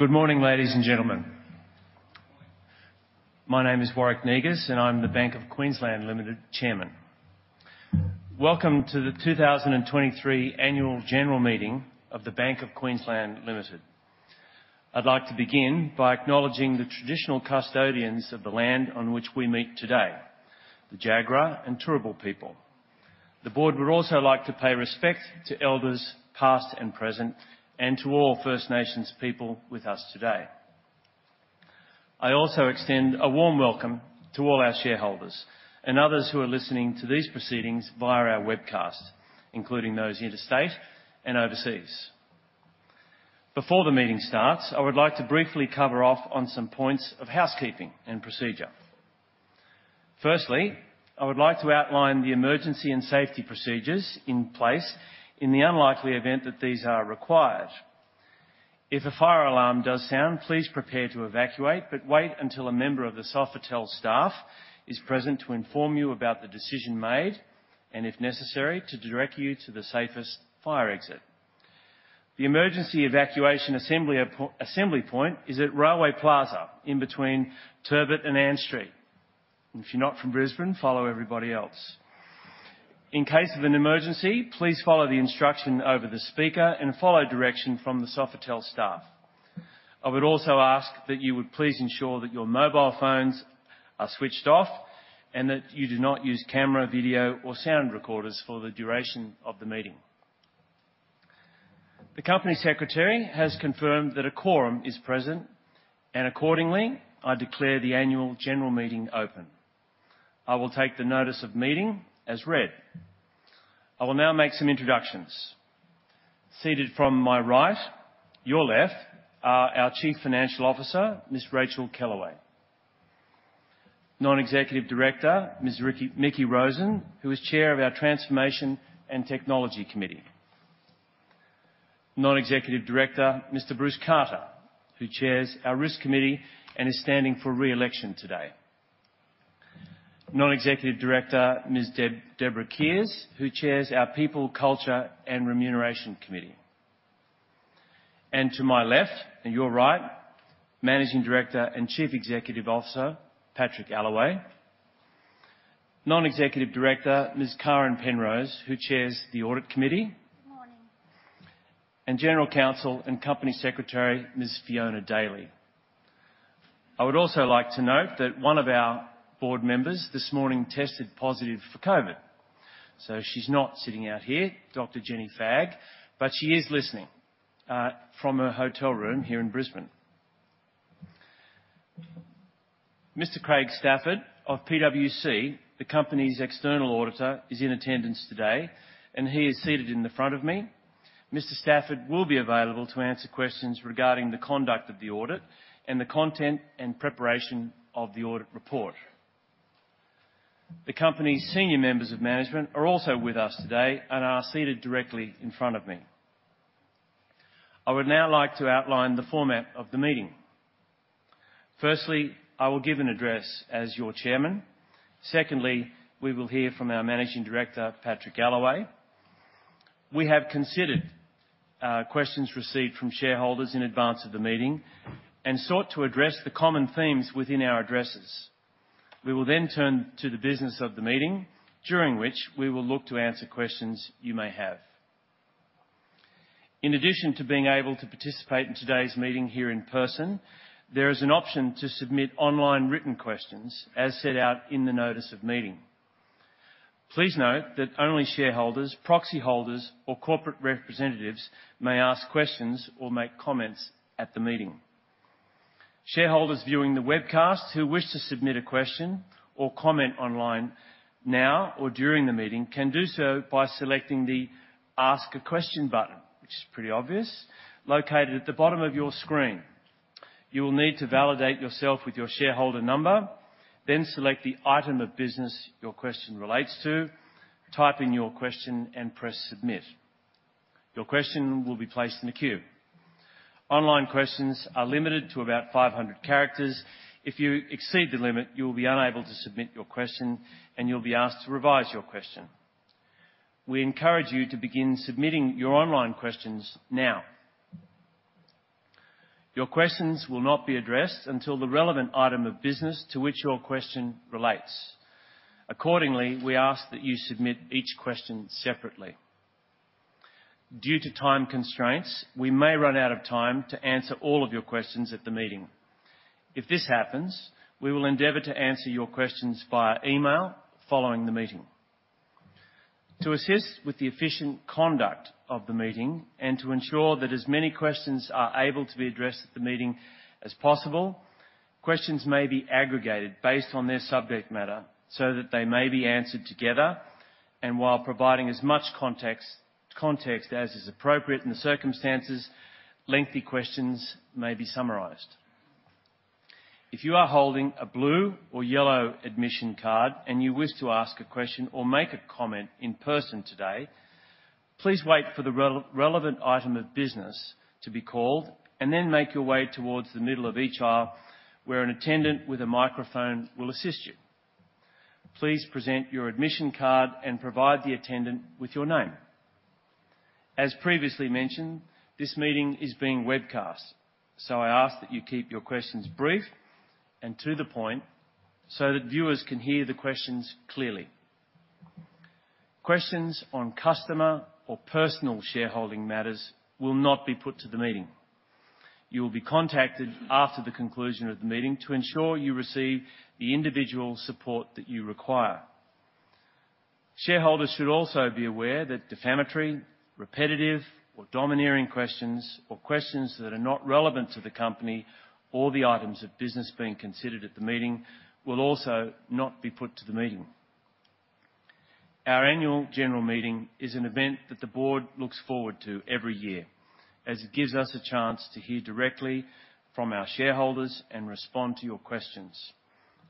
Good morning, ladies and gentlemen. My name is Warwick Negus, and I'm the Bank of Queensland Limited Chairman. Welcome to the 2023 Annual General Meeting of the Bank of Queensland Limited. I'd like to begin by acknowledging the traditional custodians of the land on which we meet today, the Jagera and Turrbal people. The board would also like to pay respect to elders, past and present, and to all First Nations people with us today. I also extend a warm welcome to all our shareholders and others who are listening to these proceedings via our webcast, including those interstate and overseas. Before the meeting starts, I would like to briefly cover off on some points of housekeeping and procedure. Firstly, I would like to outline the emergency and safety procedures in place in the unlikely event that these are required. If a fire alarm does sound, please prepare to evacuate, but wait until a member of the Sofitel staff is present to inform you about the decision made, and if necessary, to direct you to the safest fire exit. The emergency evacuation assembly point is at Railway Plaza, in between Turbot and Ann Street. And if you're not from Brisbane, follow everybody else. In case of an emergency, please follow the instruction over the speaker and follow direction from the Sofitel staff. I would also ask that you would please ensure that your mobile phones are switched off, and that you do not use camera, video, or sound recorders for the duration of the meeting. The company secretary has confirmed that a quorum is present, and accordingly, I declare the Annual General Meeting open. I will take the Notice of Meeting as read. I will now make some introductions. Seated from my right, your left, are our Chief Financial Officer, Ms. Racheal Kellaway. Non-Executive Director, Ms. Mickie Rosen, who is Chair of our Transformation and Technology Committee. Non-Executive Director, Mr. Bruce Carter, who chairs our Risk Committee and is standing for re-election today. Non-Executive Director, Ms. Deborah Kiers, who chairs our People, Culture, and Remuneration Committee. To my left, and your right, Managing Director and Chief Executive Officer, Patrick Allaway. Non-Executive Director, Ms. Karen Penrose, who chairs the Audit Committee. And General Counsel and Company Secretary, Ms. Fiona Daly. I would also like to note that one of our board members this morning tested positive for COVID, so she's not sitting out here, Dr. Jenny Fagg, but she is listening from her hotel room here in Brisbane. Mr. Craig Stafford of PwC, the company's external auditor, is in attendance today, and he is seated in the front of me. Mr. Stafford will be available to answer questions regarding the conduct of the audit and the content and preparation of the audit report. The company's senior members of management are also with us today and are seated directly in front of me. I would now like to outline the format of the meeting. Firstly, I will give an address as your Chairman. Secondly, we will hear from our Managing Director, Patrick Allaway. We have considered questions received from shareholders in advance of the meeting and sought to address the common themes within our addresses. We will then turn to the business of the meeting, during which we will look to answer questions you may have. In addition to being able to participate in today's meeting here in person, there is an option to submit online written questions, as set out in the Notice of Meeting. Please note that only shareholders, proxy holders, or corporate representatives may ask questions or make comments at the meeting. Shareholders viewing the webcast who wish to submit a question or comment online now or during the meeting, can do so by selecting the Ask a Question button, which is pretty obvious, located at the bottom of your screen. You will need to validate yourself with your shareholder number, then select the item of business your question relates to, type in your question, and press Submit. Your question will be placed in the queue. Online questions are limited to about 500 characters. If you exceed the limit, you will be unable to submit your question, and you'll be asked to revise your question. We encourage you to begin submitting your online questions now. Your questions will not be addressed until the relevant item of business to which your question relates. Accordingly, we ask that you submit each question separately. Due to time constraints, we may run out of time to answer all of your questions at the meeting. If this happens, we will endeavor to answer your questions via email following the meeting. To assist with the efficient conduct of the meeting and to ensure that as many questions are able to be addressed at the meeting as possible, questions may be aggregated based on their subject matter so that they may be answered together and while providing as much context as is appropriate in the circumstances, lengthy questions may be summarized. If you are holding a blue or yellow admission card and you wish to ask a question or make a comment in person today, please wait for the relevant item of business to be called and then make your way towards the middle of each aisle, where an attendant with a microphone will assist you.... Please present your admission card and provide the attendant with your name. As previously mentioned, this meeting is being webcast, so I ask that you keep your questions brief and to the point, so that viewers can hear the questions clearly. Questions on customer or personal shareholding matters will not be put to the meeting. You will be contacted after the conclusion of the meeting to ensure you receive the individual support that you require. Shareholders should also be aware that defamatory, repetitive, or domineering questions, or questions that are not relevant to the company or the items of business being considered at the meeting, will also not be put to the meeting. Our Annual General Meeting is an event that the board looks forward to every year, as it gives us a chance to hear directly from our shareholders and respond to your questions.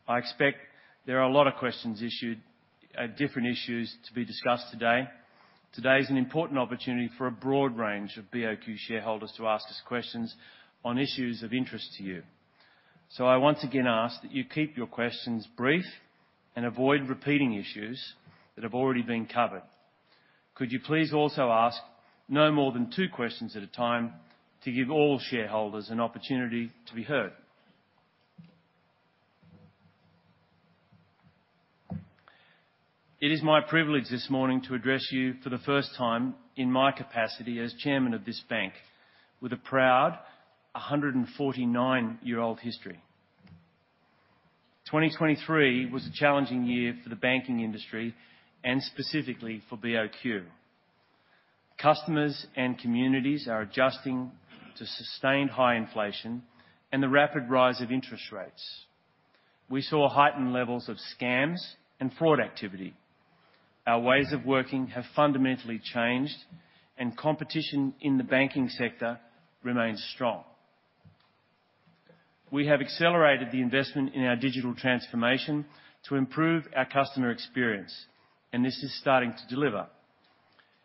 I expect there are a lot of questions issued, different issues to be discussed today. Today is an important opportunity for a broad range of BOQ shareholders to ask us questions on issues of interest to you. So I once again ask that you keep your questions brief and avoid repeating issues that have already been covered. Could you please also ask no more than two questions at a time to give all shareholders an opportunity to be heard? It is my privilege this morning to address you for the first time in my capacity as Chairman of this bank, with a proud 149-year-old history. 2023 was a challenging year for the banking industry and specifically for BOQ. Customers and communities are adjusting to sustained high inflation and the rapid rise of interest rates. We saw heightened levels of scams and fraud activity. Our ways of working have fundamentally changed, and competition in the banking sector remains strong. We have accelerated the investment in our digital transformation to improve our customer experience, and this is starting to deliver.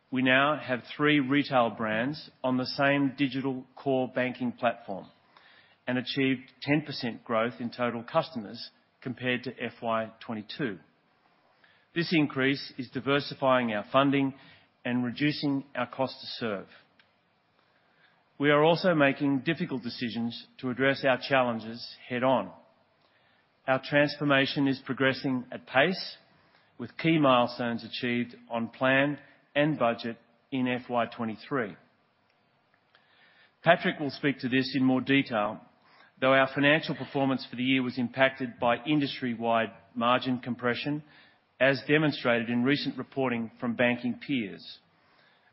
We now have three retail brands on the same digital core banking platform and achieved 10% growth in total customers compared to FY 2022. This increase is diversifying our funding and reducing our cost to serve. We are also making difficult decisions to address our challenges head-on. Our transformation is progressing at pace, with key milestones achieved on plan and budget in FY 2023. Patrick will speak to this in more detail, though our financial performance for the year was impacted by industry-wide margin compression, as demonstrated in recent reporting from banking peers.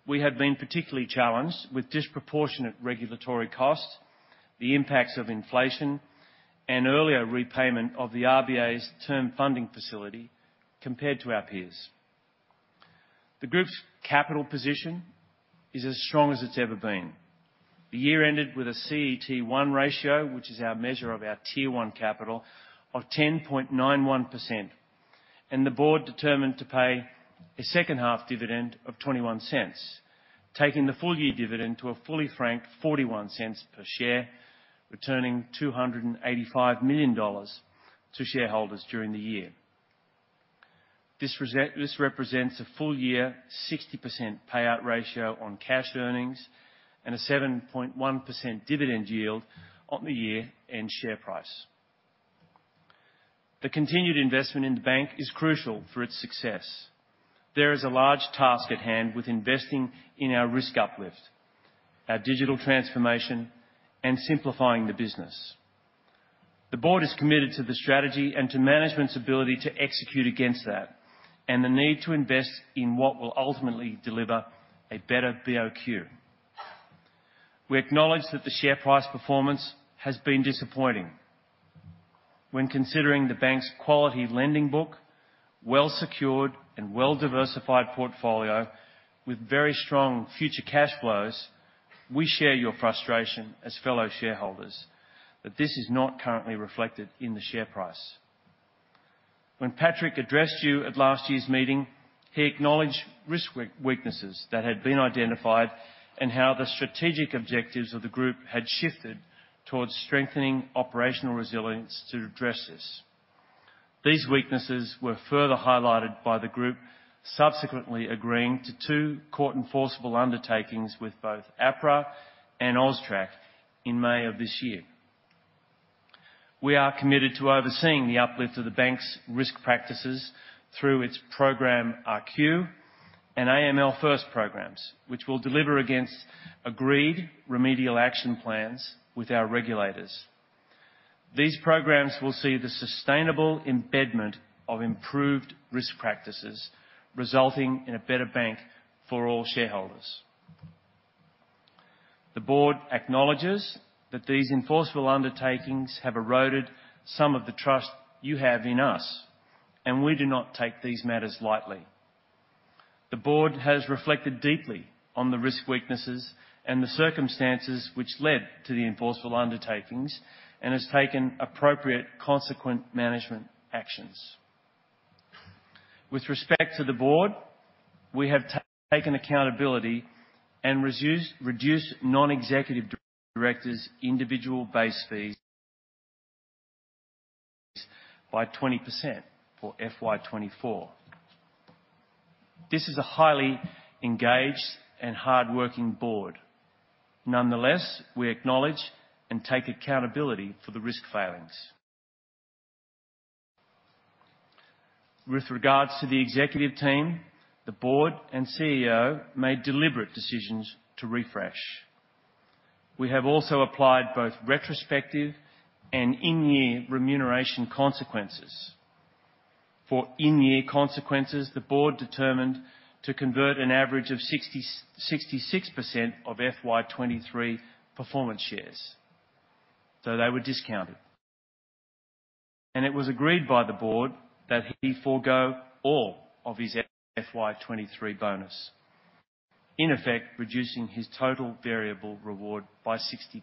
We have been particularly challenged with disproportionate regulatory costs, the impacts of inflation, and earlier repayment of the RBA's Term Funding Facility compared to our peers. The group's capital position is as strong as it's ever been. The year ended with a CET1 ratio, which is our measure of our Tier 1 capital, of 10.91%, and the board determined to pay a second half dividend of 0.21, taking the full-year dividend to a fully franked 0.41 per share, returning 285 million dollars to shareholders during the year. This represents a full-year, 60% payout ratio on cash earnings and a 7.1% dividend yield on the year-end share price. The continued investment in the bank is crucial for its success. There is a large task at hand with investing in our risk uplift, our digital transformation, and simplifying the business. The board is committed to the strategy and to management's ability to execute against that, and the need to invest in what will ultimately deliver a better BOQ. We acknowledge that the share price performance has been disappointing. When considering the bank's quality lending book, well-secured and well-diversified portfolio with very strong future cash flows, we share your frustration as fellow shareholders, that this is not currently reflected in the share price. When Patrick addressed you at last year's meeting, he acknowledged risk weaknesses that had been identified and how the strategic objectives of the group had shifted towards strengthening operational resilience to address this. These weaknesses were further highlighted by the group, subsequently agreeing to two court enforceable undertakings with both APRA and AUSTRAC in May of this year. We are committed to overseeing the uplift of the bank's risk practices through its program, rQ and AML First programs, which will deliver against agreed Remedial Action Plans with our regulators. These programs will see the sustainable embedment of improved risk practices, resulting in a better bank for all shareholders. The board acknowledges that these enforceable undertakings have eroded some of the trust you have in us, and we do not take these matters lightly. The board has reflected deeply on the risk weaknesses and the circumstances which led to the enforceable undertakings and has taken appropriate consequent management actions. With respect to the board. We have taken accountability and reduced non-executive directors' individual base fees by 20% for FY 2024. This is a highly engaged and hardworking board. Nonetheless, we acknowledge and take accountability for the risk failings. With regards to the executive team, the board and CEO made deliberate decisions to refresh. We have also applied both retrospective and in-year remuneration consequences. For in-year consequences, the board determined to convert an average of 66% of FY 2023 performance shares, so they were discounted. It was agreed by the board that he forego all of his FY 2023 bonus, in effect, reducing his total variable reward by 60%.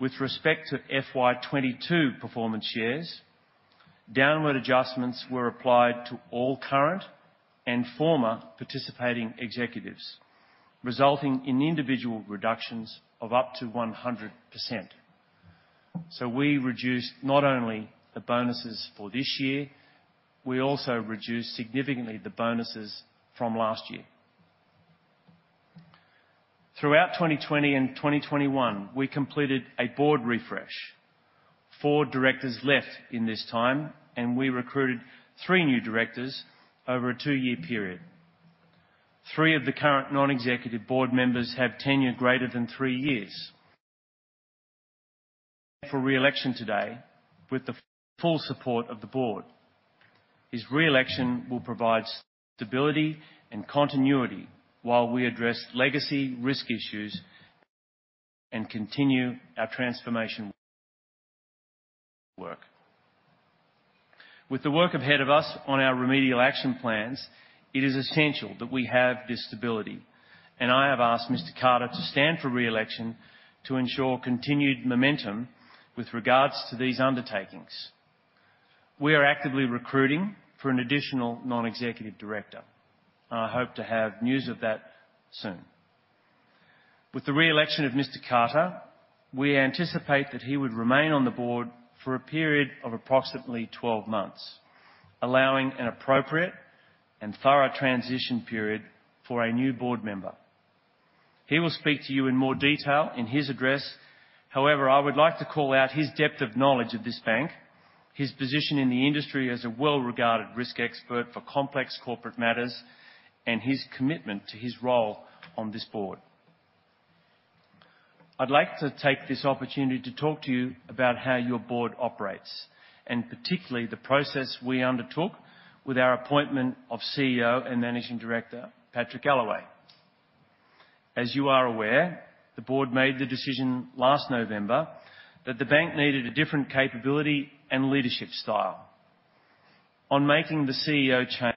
With respect to FY 2022 performance shares, downward adjustments were applied to all current and former participating executives, resulting in individual reductions of up to 100%. We reduced not only the bonuses for this year, we also reduced significantly the bonuses from last year. Throughout 2020 and 2021, we completed a board refresh. 4 directors left in this time, and we recruited three new directors over a two-year period. Three of the current non-executive board members have tenure greater than three years. For re-election today, with the full support of the board, his re-election will provide stability and continuity while we address legacy risk issues and continue our transformation work. With the work ahead of us on our Remedial Action Plans, it is essential that we have this stability, and I have asked Mr. Carter to stand for re-election to ensure continued momentum with regards to these undertakings. We are actively recruiting for an additional non-executive director. I hope to have news of that soon. With the re-election of Mr. Carter, we anticipate that he would remain on the board for a period of approximately 12 months, allowing an appropriate and thorough transition period for a new board member. He will speak to you in more detail in his address. However, I would like to call out his depth of knowledge of this bank, his position in the industry as a well-regarded risk expert for complex corporate matters, and his commitment to his role on this board. I'd like to take this opportunity to talk to you about how your board operates, and particularly the process we undertook with our appointment of CEO and Managing Director, Patrick Allaway. As you are aware, the board made the decision last November that the bank needed a different capability and leadership style. On making the CEO change,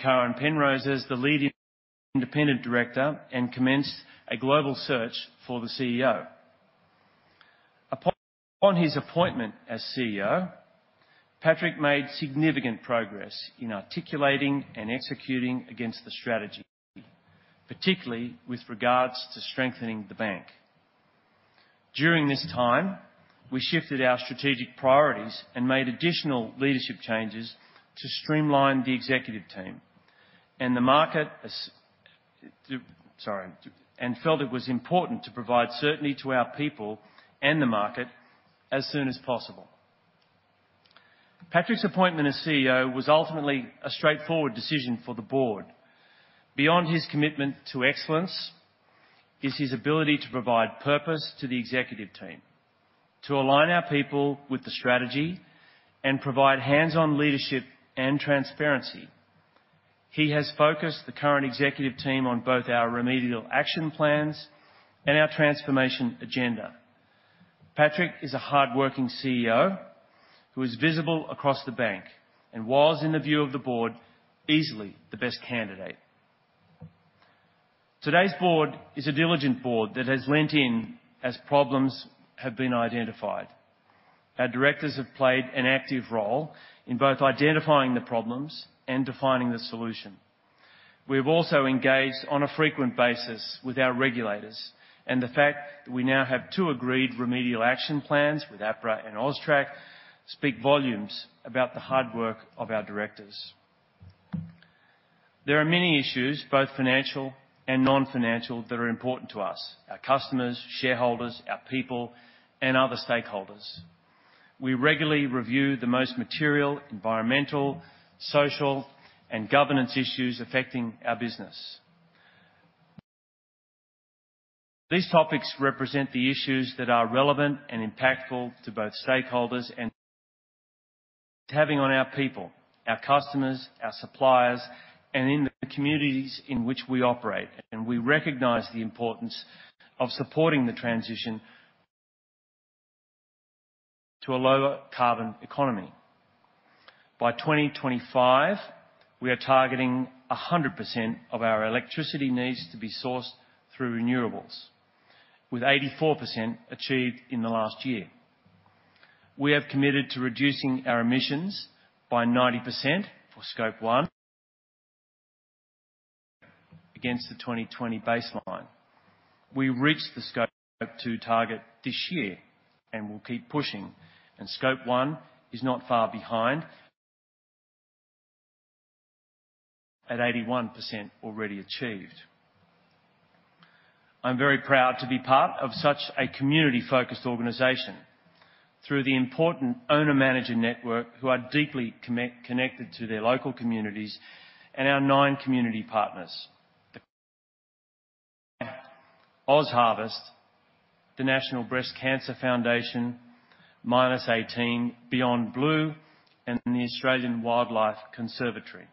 Karen Penrose, as the leading independent director, commenced a global search for the CEO. Upon his appointment as CEO, Patrick made significant progress in articulating and executing against the strategy, particularly with regards to strengthening the bank. During this time, we shifted our strategic priorities and made additional leadership changes to streamline the executive team and the market, and felt it was important to provide certainty to our people and the market as soon as possible. Patrick's appointment as CEO was ultimately a straightforward decision for the board. Beyond his commitment to excellence, is his ability to provide purpose to the executive team, to align our people with the strategy, and provide hands-on leadership and transparency. He has focused the current executive team on both our Remedial Action Plans and our transformation agenda. Patrick is a hardworking CEO who is visible across the bank and was, in the view of the board, easily the best candidate. Today's board is a diligent board that has leaned in as problems have been identified. Our directors have played an active role in both identifying the problems and defining the solution. We've also engaged on a frequent basis with our regulators, and the fact that we now have two agreed Remedial Action Plans with APRA and AUSTRAC speak volumes about the hard work of our directors. There are many issues, both financial and non-financial, that are important to us, our customers, shareholders, our people, and other stakeholders. We regularly review the most material, environmental, social, and governance issues affecting our business. These topics represent the issues that are relevant and impactful to both stakeholders and having on our people, our customers, our suppliers, and in the communities in which we operate, and we recognize the importance of supporting the transition to a lower carbon economy.... By 2025, we are targeting 100% of our electricity needs to be sourced through renewables, with 84% achieved in the last year. We have committed to reducing our emissions by 90% for Scope 1 against the 2020 baseline. We reached the Scope 2 target this year, and we'll keep pushing, and Scope 1 is not far behind, at 81% already achieved. I'm very proud to be part of such a community-focused organization through the important owner-manager network, who are deeply connected to their local communities and our nine community partners: OzHarvest, the National Breast Cancer Foundation, Minus18, Beyond Blue, and the Australian Wildlife Conservancy.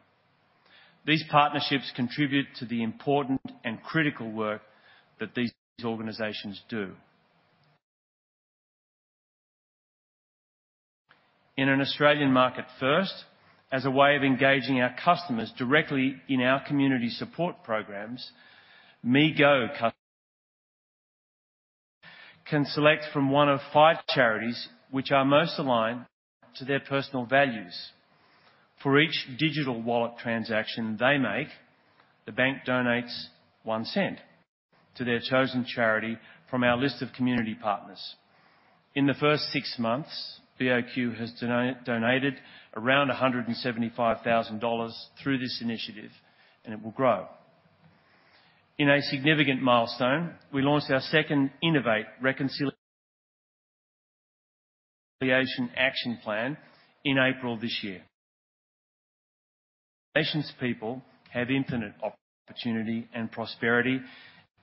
These partnerships contribute to the important and critical work that these organizations do. In an Australian market first, as a way of engaging our customers directly in our community support programs, ME Go customers can select from one of five charities which are most aligned to their personal values. For each digital wallet transaction they make, the bank donates 0.01 to their chosen charity from our list of community partners. In the first six months, BOQ has donated around 175,000 dollars through this initiative, and it will grow. In a significant milestone, we launched our second Innovate Reconciliation Action Plan in April this year. Nations people have infinite opportunity and prosperity,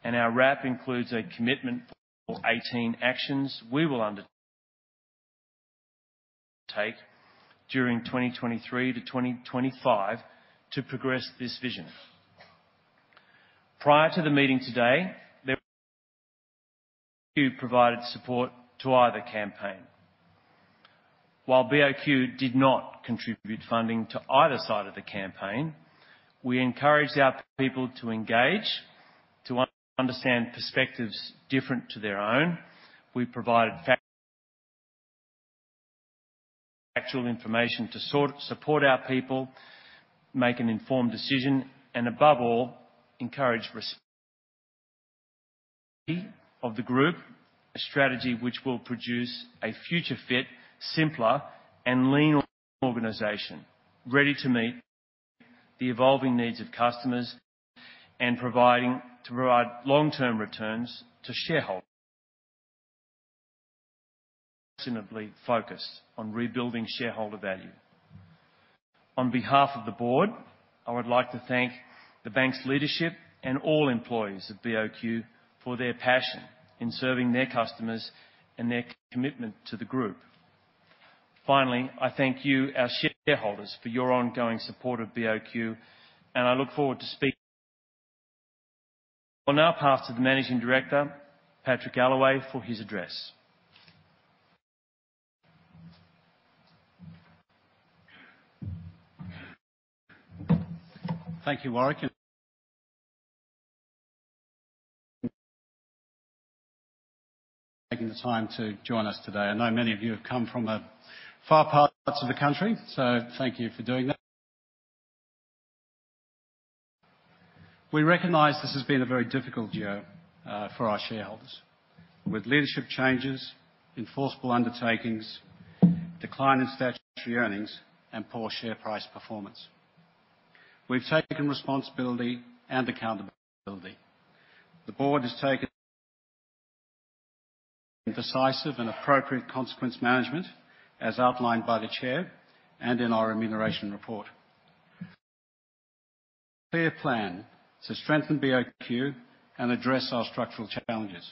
and our RAP includes a commitment for 18 actions we will undertake during 2023 to 2025 to progress this vision. Prior to the meeting today, BOQ provided support to either campaign. While BOQ did not contribute funding to either side of the campaign, we encouraged our people to engage, to understand perspectives different to their own. We provided factual information to support our people, make an informed decision, and above all, encourage respect of the group, a strategy which will produce a future fit, simpler, and lean organization, ready to meet the evolving needs of customers and to provide long-term returns to shareholders. Reasonably focused on rebuilding shareholder value. On behalf of the board, I would like to thank the bank's leadership and all employees of BOQ for their passion in serving their customers and their commitment to the group. Finally, I thank you, our shareholders, for your ongoing support of BOQ, and I look forward to speaking. I'll now pass to the Managing Director, Patrick Allaway, for his address. Thank you, Warwick. Taking the time to join us today. I know many of you have come from far parts of the country, so thank you for doing that. We recognize this has been a very difficult year for our shareholders, with leadership changes, enforceable undertakings, decline in statutory earnings, and poor share price performance. We've taken responsibility and accountability. The board has taken decisive and appropriate consequence management, as outlined by the Chair and in our Remuneration Report. Clear plan to strengthen BOQ and address our structural challenges,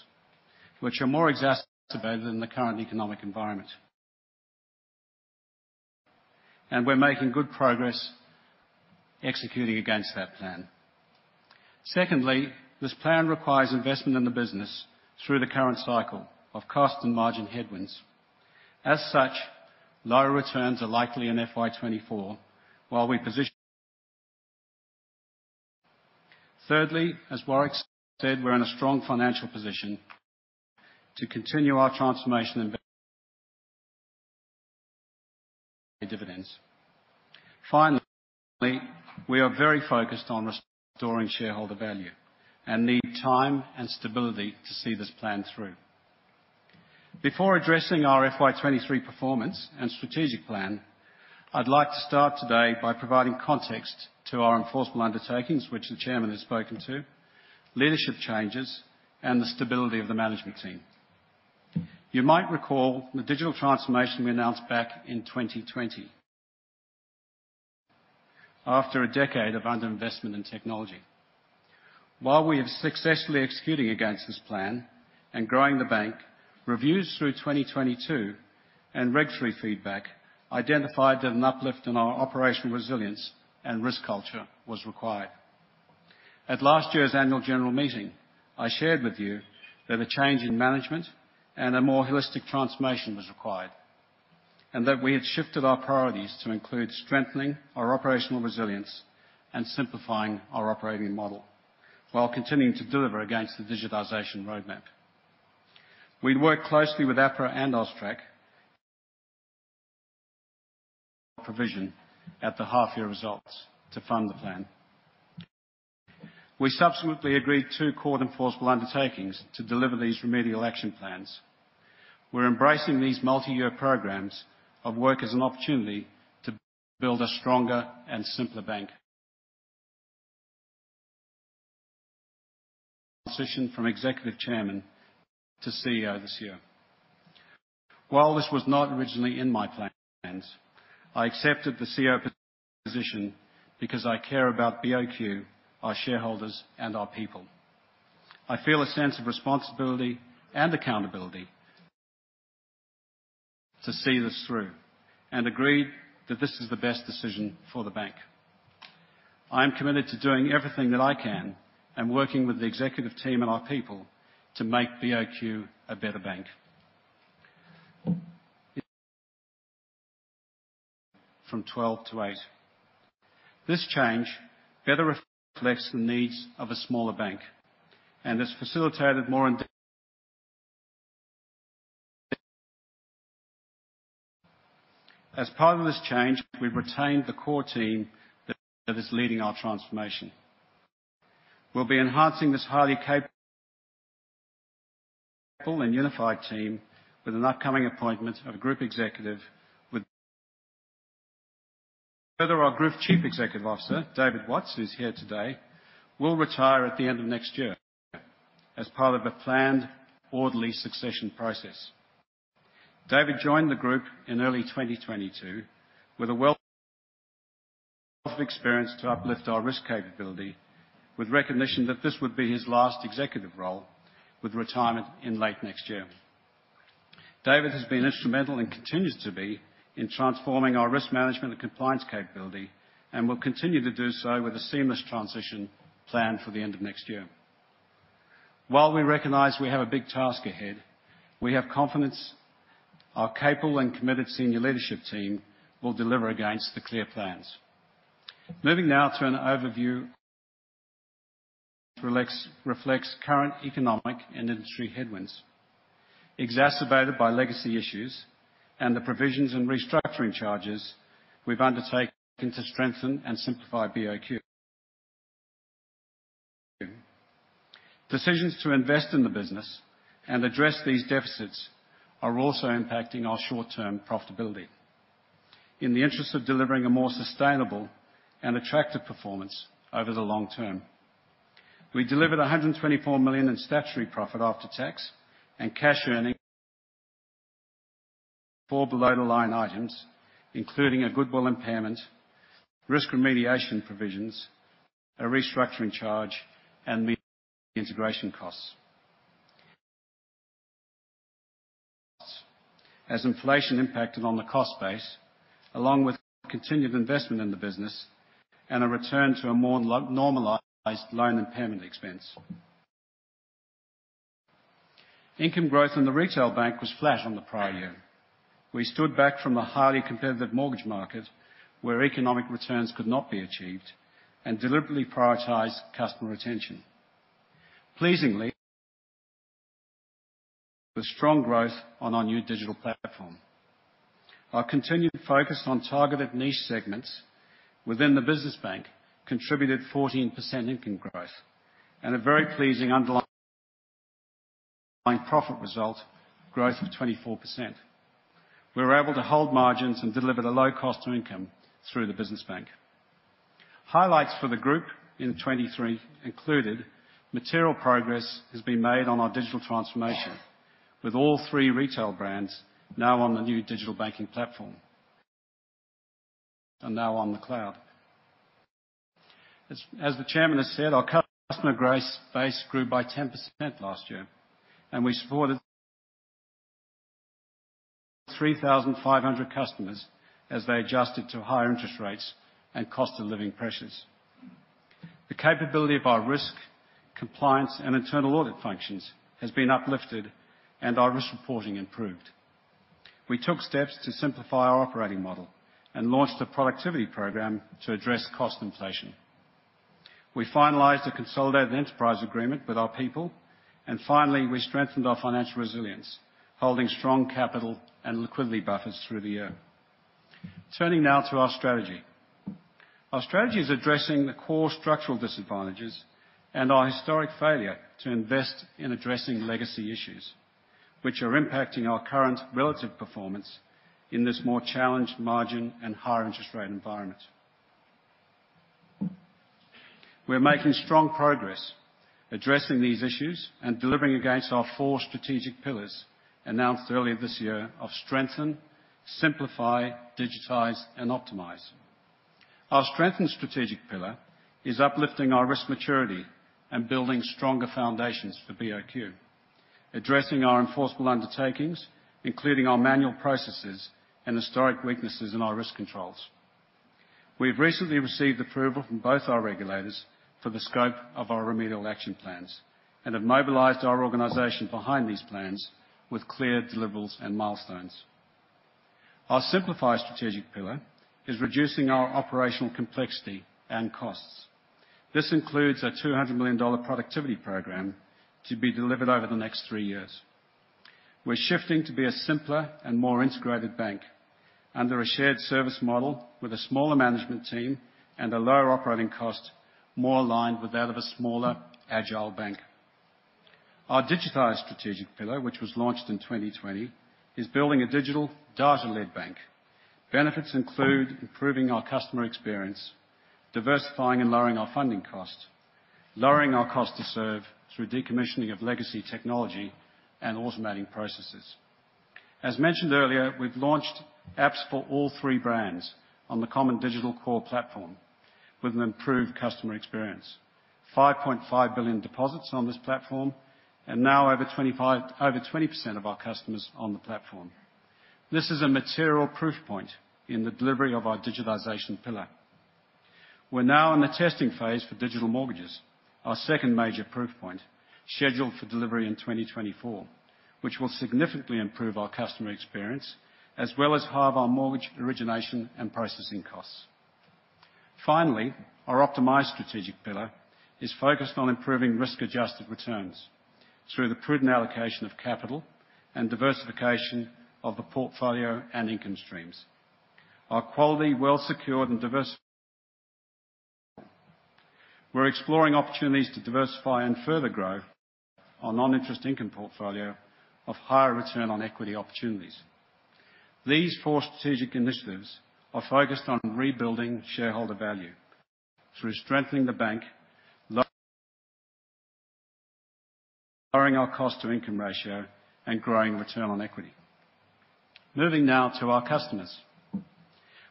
which are more exacerbated than the current economic environment. And we're making good progress executing against that plan. Secondly, this plan requires investment in the business through the current cycle of cost and margin headwinds. As such, lower returns are likely in FY 2024, while we position... Thirdly, as Warwick said, we're in a strong financial position to continue our transformation and dividends. Finally, we are very focused on restoring shareholder value and need time and stability to see this plan through. Before addressing our FY 2023 performance and strategic plan, I'd like to start today by providing context to our enforceable undertakings, which the Chairman has spoken to, leadership changes, and the stability of the management team. You might recall the digital transformation we announced back in 2020, after a decade of underinvestment in technology. While we are successfully executing against this plan and growing the bank, reviews through 2022 and regulatory feedback identified that an uplift in our operational resilience and risk culture was required. At last year's Annual General Meeting, I shared with you that a change in management and a more holistic transformation was required, and that we had shifted our priorities to include strengthening our operational resilience and simplifying our operating model, while continuing to deliver against the digitization roadmap. We'd worked closely with APRA and AUSTRAC provision at the half-year results to fund the plan. We subsequently agreed two Court Enforceable Undertakings to deliver these Remedial Action Plans. We're embracing these multi-year programs of work as an opportunity to build a stronger and simpler bank. Transition from Executive Chairman to CEO this year. While this was not originally in my plans, I accepted the CEO position because I care about BOQ, our shareholders, and our people. I feel a sense of responsibility and accountability to see this through, and agreed that this is the best decision for the bank. I am committed to doing everything that I can and working with the executive team and our people to make BOQ a better bank. From 12 to eight. This change better reflects the needs of a smaller bank, and has facilitated more in- As part of this change, we've retained the core team that is leading our transformation. We'll be enhancing this highly capable and unified team with an upcoming appointment of a group executive with... Further, our Group Chief Risk Officer, David Watts, who's here today, will retire at the end of next year as part of a planned, orderly succession process. David joined the group in early 2022 with a wealth of experience to uplift our risk capability, with recognition that this would be his last executive role with retirement in late next year. David has been instrumental and continues to be in transforming our risk management and compliance capability, and will continue to do so with a seamless transition plan for the end of next year. While we recognize we have a big task ahead, we have confidence our capable and committed senior leadership team will deliver against the clear plans. Moving now to an overview. Reflects current economic and industry headwinds, exacerbated by legacy issues and the provisions and restructuring charges we've undertaken to strengthen and simplify BOQ. Decisions to invest in the business and address these deficits are also impacting our short-term profitability. In the interest of delivering a more sustainable and attractive performance over the long term, we delivered 124 million in statutory profit after tax and cash earnings, four below-the-line items, including a goodwill impairment, risk remediation provisions, a restructuring charge, and integration costs. As inflation impacted on the cost base, along with continued investment in the business and a return to a more normalized loan impairment expense. Income growth in the retail bank was flat on the prior year. We stood back from the highly competitive mortgage market, where economic returns could not be achieved, and deliberately prioritized customer retention. Pleasingly, the strong growth on our new digital platform. Our continued focus on targeted niche segments within the business bank contributed 14% income growth and a very pleasing underlying profit result growth of 24%. We were able to hold margins and deliver the low cost of income through the business bank. Highlights for the group in 2023 included material progress has been made on our digital transformation, with all three retail brands now on the new digital banking platform and now on the cloud. As, as the Chairman has said, our customer growth base grew by 10% last year, and we supported 3,500 customers as they adjusted to higher interest rates and cost of living pressures. The capability of our risk, compliance, and internal audit functions has been uplifted, and our risk reporting improved. We took steps to simplify our operating model and launched a productivity program to address cost inflation. We finalized a consolidated enterprise agreement with our people, and finally, we strengthened our financial resilience, holding strong capital and liquidity buffers through the year. Turning now to our strategy. Our strategy is addressing the core structural disadvantages and our historic failure to invest in addressing legacy issues, which are impacting our current relative performance in this more challenged margin and higher interest rate environment. We're making strong progress addressing these issues and delivering against our four strategic pillars, announced earlier this year, of Strengthen, Simplify, Digitize, and Optimize. Our Strengthen strategic pillar is uplifting our risk maturity and building stronger foundations for BOQ, addressing our enforceable undertakings, including our manual processes and historic weaknesses in our risk controls. We've recently received approval from both our regulators for the scope of our Remedial Action Plans and have mobilized our organization behind these plans with clear deliverables and milestones. Our Simplify strategic pillar is reducing our operational complexity and costs. This includes a 200 million dollar productivity program to be delivered over the next three years. We're shifting to be a simpler and more integrated bank under a shared service model with a smaller management team and a lower operating cost, more aligned with that of a smaller, agile bank. Our Digitize strategic pillar, which was launched in 2020, is building a digital, data-led bank. Benefits include improving our customer experience, diversifying and lowering our funding costs, lowering our cost to serve through decommissioning of legacy technology, and automating processes. As mentioned earlier, we've launched apps for all three brands on the common digital core platform with an improved customer experience. 5.5 billion deposits on this platform and now over 20% of our customers on the platform. This is a material proof point in the delivery of our digitization pillar. We're now in the testing phase for digital mortgages, our second major proof point, scheduled for delivery in 2024, which will significantly improve our customer experience, as well as halve our mortgage origination and processing costs. Finally, our Optimize strategic pillar is focused on improving risk-adjusted returns through the prudent allocation of capital and diversification of the portfolio and income streams. Our quality, well-secured, and We're exploring opportunities to diversify and further grow our non-interest income portfolio of higher return on equity opportunities. These four strategic initiatives are focused on rebuilding shareholder value through strengthening the bank, lowering our cost-to-income ratio, and growing return on equity. Moving now to our customers.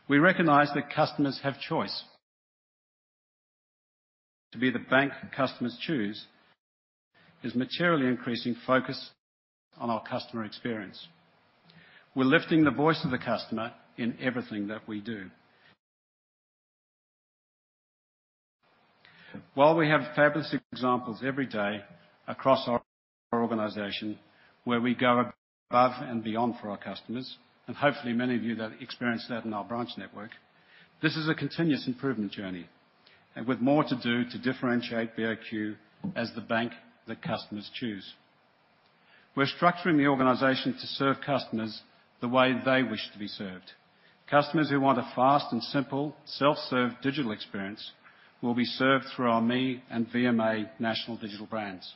We recognize that customers have choice. To be the bank customers choose, is materially increasing focus on our customer experience. We're lifting the voice of the customer in everything that we do. While we have fabulous examples every day across our organization, where we go above and beyond for our customers, and hopefully many of you have experienced that in our branch network, this is a continuous improvement journey, and with more to do to differentiate BOQ as the bank that customers choose. We're structuring the organization to serve customers the way they wish to be served. Customers who want a fast and simple, self-serve, digital experience will be served through our ME and VMA national digital brands.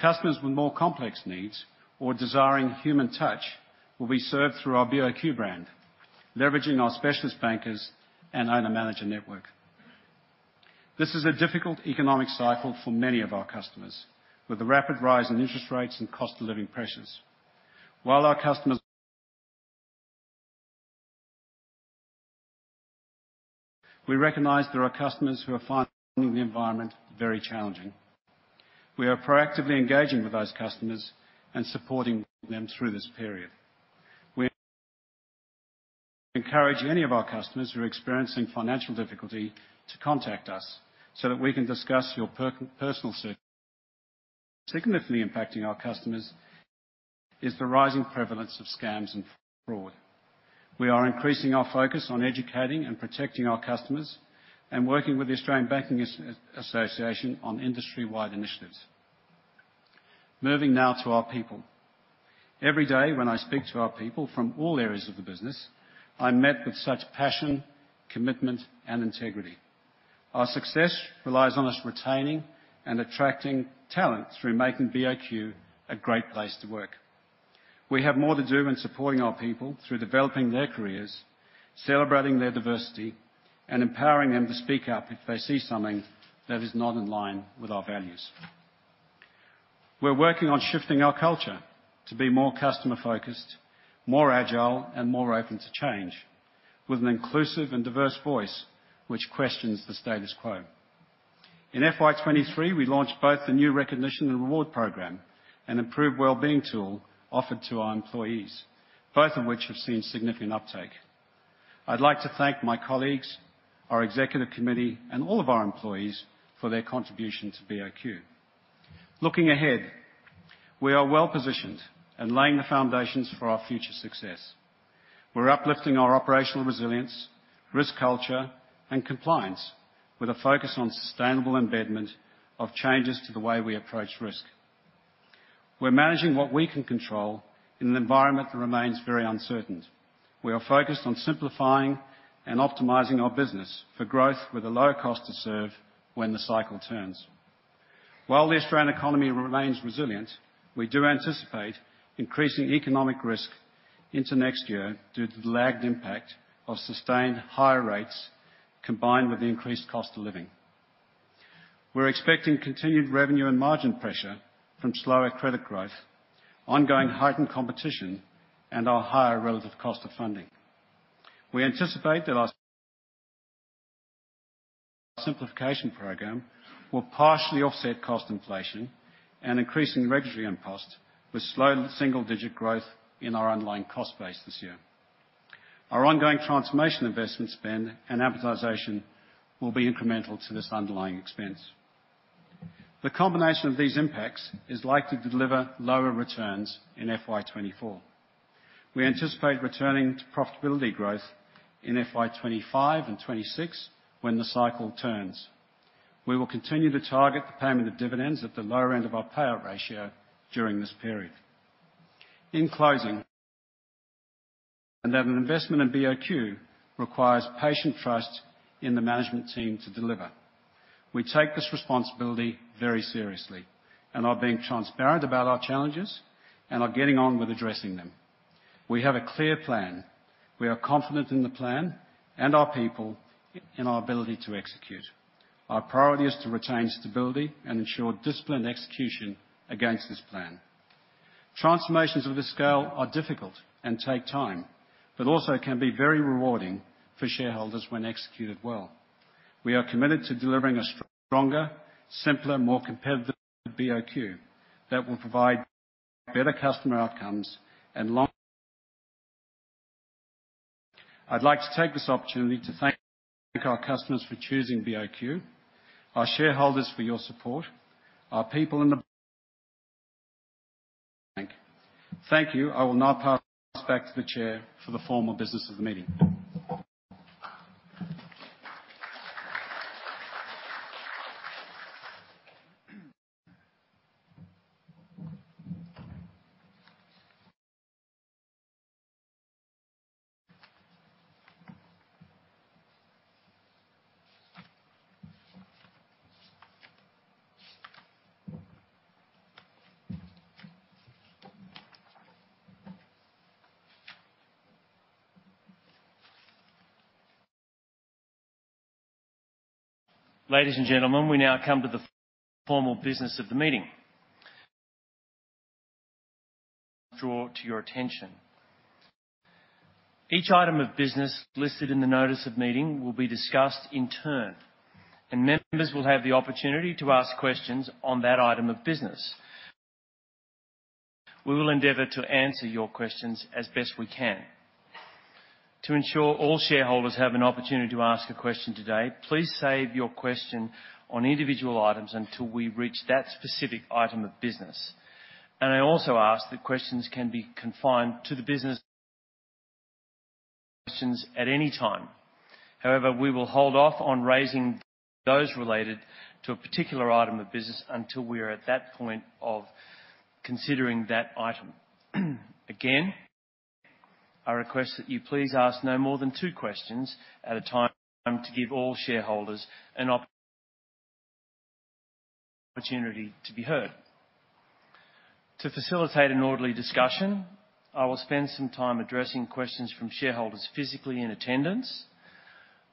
Customers with more complex needs or desiring human touch, will be served through our BOQ brand, leveraging our specialist bankers and owner-manager network. This is a difficult economic cycle for many of our customers, with a rapid rise in interest rates and cost of living pressures. While our customers—we recognize there are customers who are finding the environment very challenging. We are proactively engaging with those customers and supporting them through this period. We encourage any of our customers who are experiencing financial difficulty to contact us, so that we can discuss your personal situation. Significantly impacting our customers is the rising prevalence of scams and fraud. We are increasing our focus on educating and protecting our customers and working with the Australian Banking Association on industry-wide initiatives. Moving now to our people. Every day, when I speak to our people from all areas of the business, I'm met with such passion, commitment, and integrity. Our success relies on us retaining and attracting talent through making BOQ a great place to work. We have more to do in supporting our people through developing their careers, celebrating their diversity, and empowering them to speak up if they see something that is not in line with our values. We're working on shifting our culture to be more customer-focused, more agile, and more open to change, with an inclusive and diverse voice, which questions the status quo. In FY 2023, we launched both the new recognition and reward program and improved well-being tool offered to our employees, both of which have seen significant uptake. I'd like to thank my colleagues, our executive committee, and all of our employees for their contribution to BOQ. Looking ahead, we are well-positioned and laying the foundations for our future success. We're uplifting our operational resilience, risk culture, and compliance with a focus on sustainable embedment of changes to the way we approach risk. We're managing what we can control in an environment that remains very uncertain. We are focused on simplifying and optimizing our business for growth with a lower cost to serve when the cycle turns. While the Australian economy remains resilient, we do anticipate increasing economic risk into next year due to the lagged impact of sustained higher rates, combined with the increased cost of living. We're expecting continued revenue and margin pressure from slower credit growth, ongoing heightened competition, and our higher relative cost of funding. We anticipate that our simplification program will partially offset cost inflation and increasing regulatory and cost, with slow single-digit growth in our underlying cost base this year. Our ongoing transformation investment spend and amortization will be incremental to this underlying expense. The combination of these impacts is likely to deliver lower returns in FY 2024. We anticipate returning to profitability growth in FY 2025 and 2026, when the cycle turns. We will continue to target the payment of dividends at the lower end of our payout ratio during this period. In closing, that an investment in BOQ requires patient trust in the management team to deliver. We take this responsibility very seriously, and are being transparent about our challenges, and are getting on with addressing them. We have a clear plan. We are confident in the plan and our people, in our ability to execute. Our priority is to retain stability and ensure disciplined execution against this plan. Transformations of this scale are difficult and take time, but also can be very rewarding for shareholders when executed well. We are committed to delivering a stronger, simpler, more competitive BOQ that will provide better customer outcomes and long... I'd like to take this opportunity to thank our customers for choosing BOQ, our shareholders for your support, our people in the bank. Thank you. I will now pass back to the Chair for the formal business of the meeting. Ladies and gentlemen, we now come to the formal business of the meeting. Draw to your attention. Each item of business listed in the Notice of Meeting will be discussed in turn, and members will have the opportunity to ask questions on that item of business. We will endeavor to answer your questions as best we can. To ensure all shareholders have an opportunity to ask a question today, please save your question on individual items until we reach that specific item of business. And I also ask that questions can be confined to the business... questions at any time. However, we will hold off on raising those related to a particular item of business until we are at that point of considering that item. Again, I request that you please ask no more than two questions at a time, to give all shareholders an opportunity to be heard. To facilitate an orderly discussion, I will spend some time addressing questions from shareholders physically in attendance.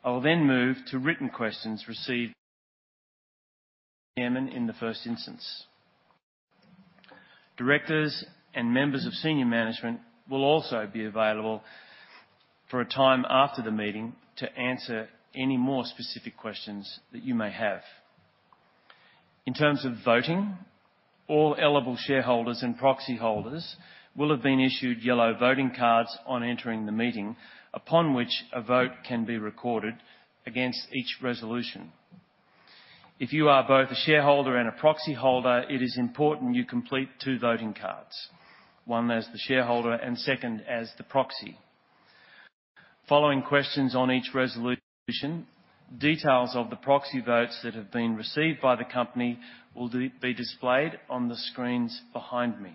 I will then move to written questions received in the first instance. Directors and members of senior management will also be available for a time after the meeting to answer any more specific questions that you may have. In terms of voting, all eligible shareholders and proxy holders will have been issued yellow voting cards on entering the meeting, upon which a vote can be recorded against each resolution. If you are both a shareholder and a proxy holder, it is important you complete two voting cards, one as the shareholder and second as the proxy. Following questions on each resolution, details of the proxy votes that have been received by the company will be displayed on the screens behind me.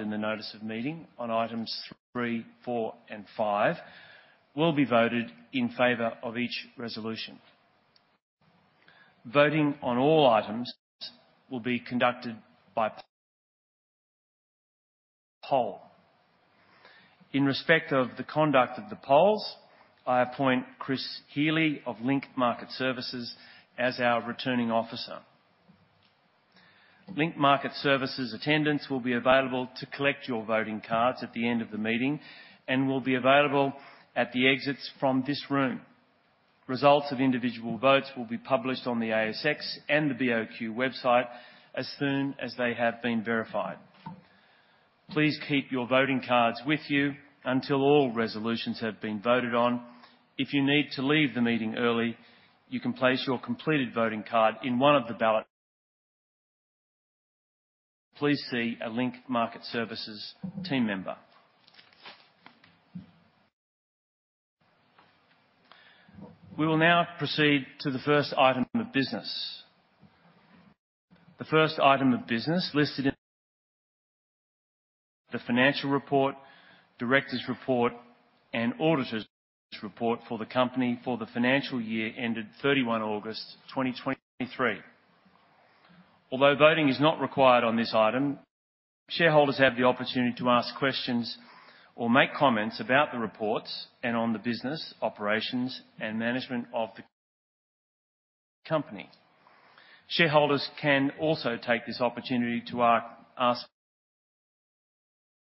In the Notice of Meeting on items three, four, and five will be voted in favor of each resolution. Voting on all items will be conducted by poll. In respect of the conduct of the polls, I appoint Chris Healey of Link Market Services as our Returning Officer. Link Market Services' attendants will be available to collect your voting cards at the end of the meeting and will be available at the exits from this room. Results of individual votes will be published on the ASX and the BOQ website as soon as they have been verified. Please keep your voting cards with you until all resolutions have been voted on. If you need to leave the meeting early, you can place your completed voting card in one of the ballot. Please see a Link Market Services team member. We will now proceed to the first item of business. The first item of business listed in the financial report, directors' report, and auditor's report for the company for the financial year ended 31 August 2023. Although voting is not required on this item, shareholders have the opportunity to ask questions or make comments about the reports and on the business, operations, and management of the company. Shareholders can also take this opportunity to ask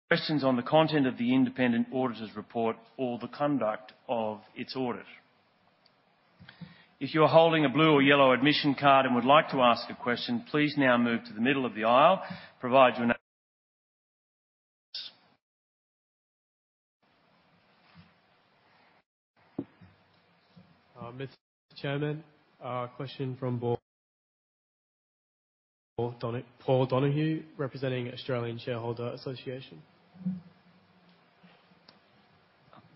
questions on the content of the independent auditor's report or the conduct of its audit. If you're holding a blue or yellow admission card and would like to ask a question, please now move to the middle of the aisle, provide your name. Mr. Chairman, a question from Paul Donohue, representing Australian Shareholders' Association.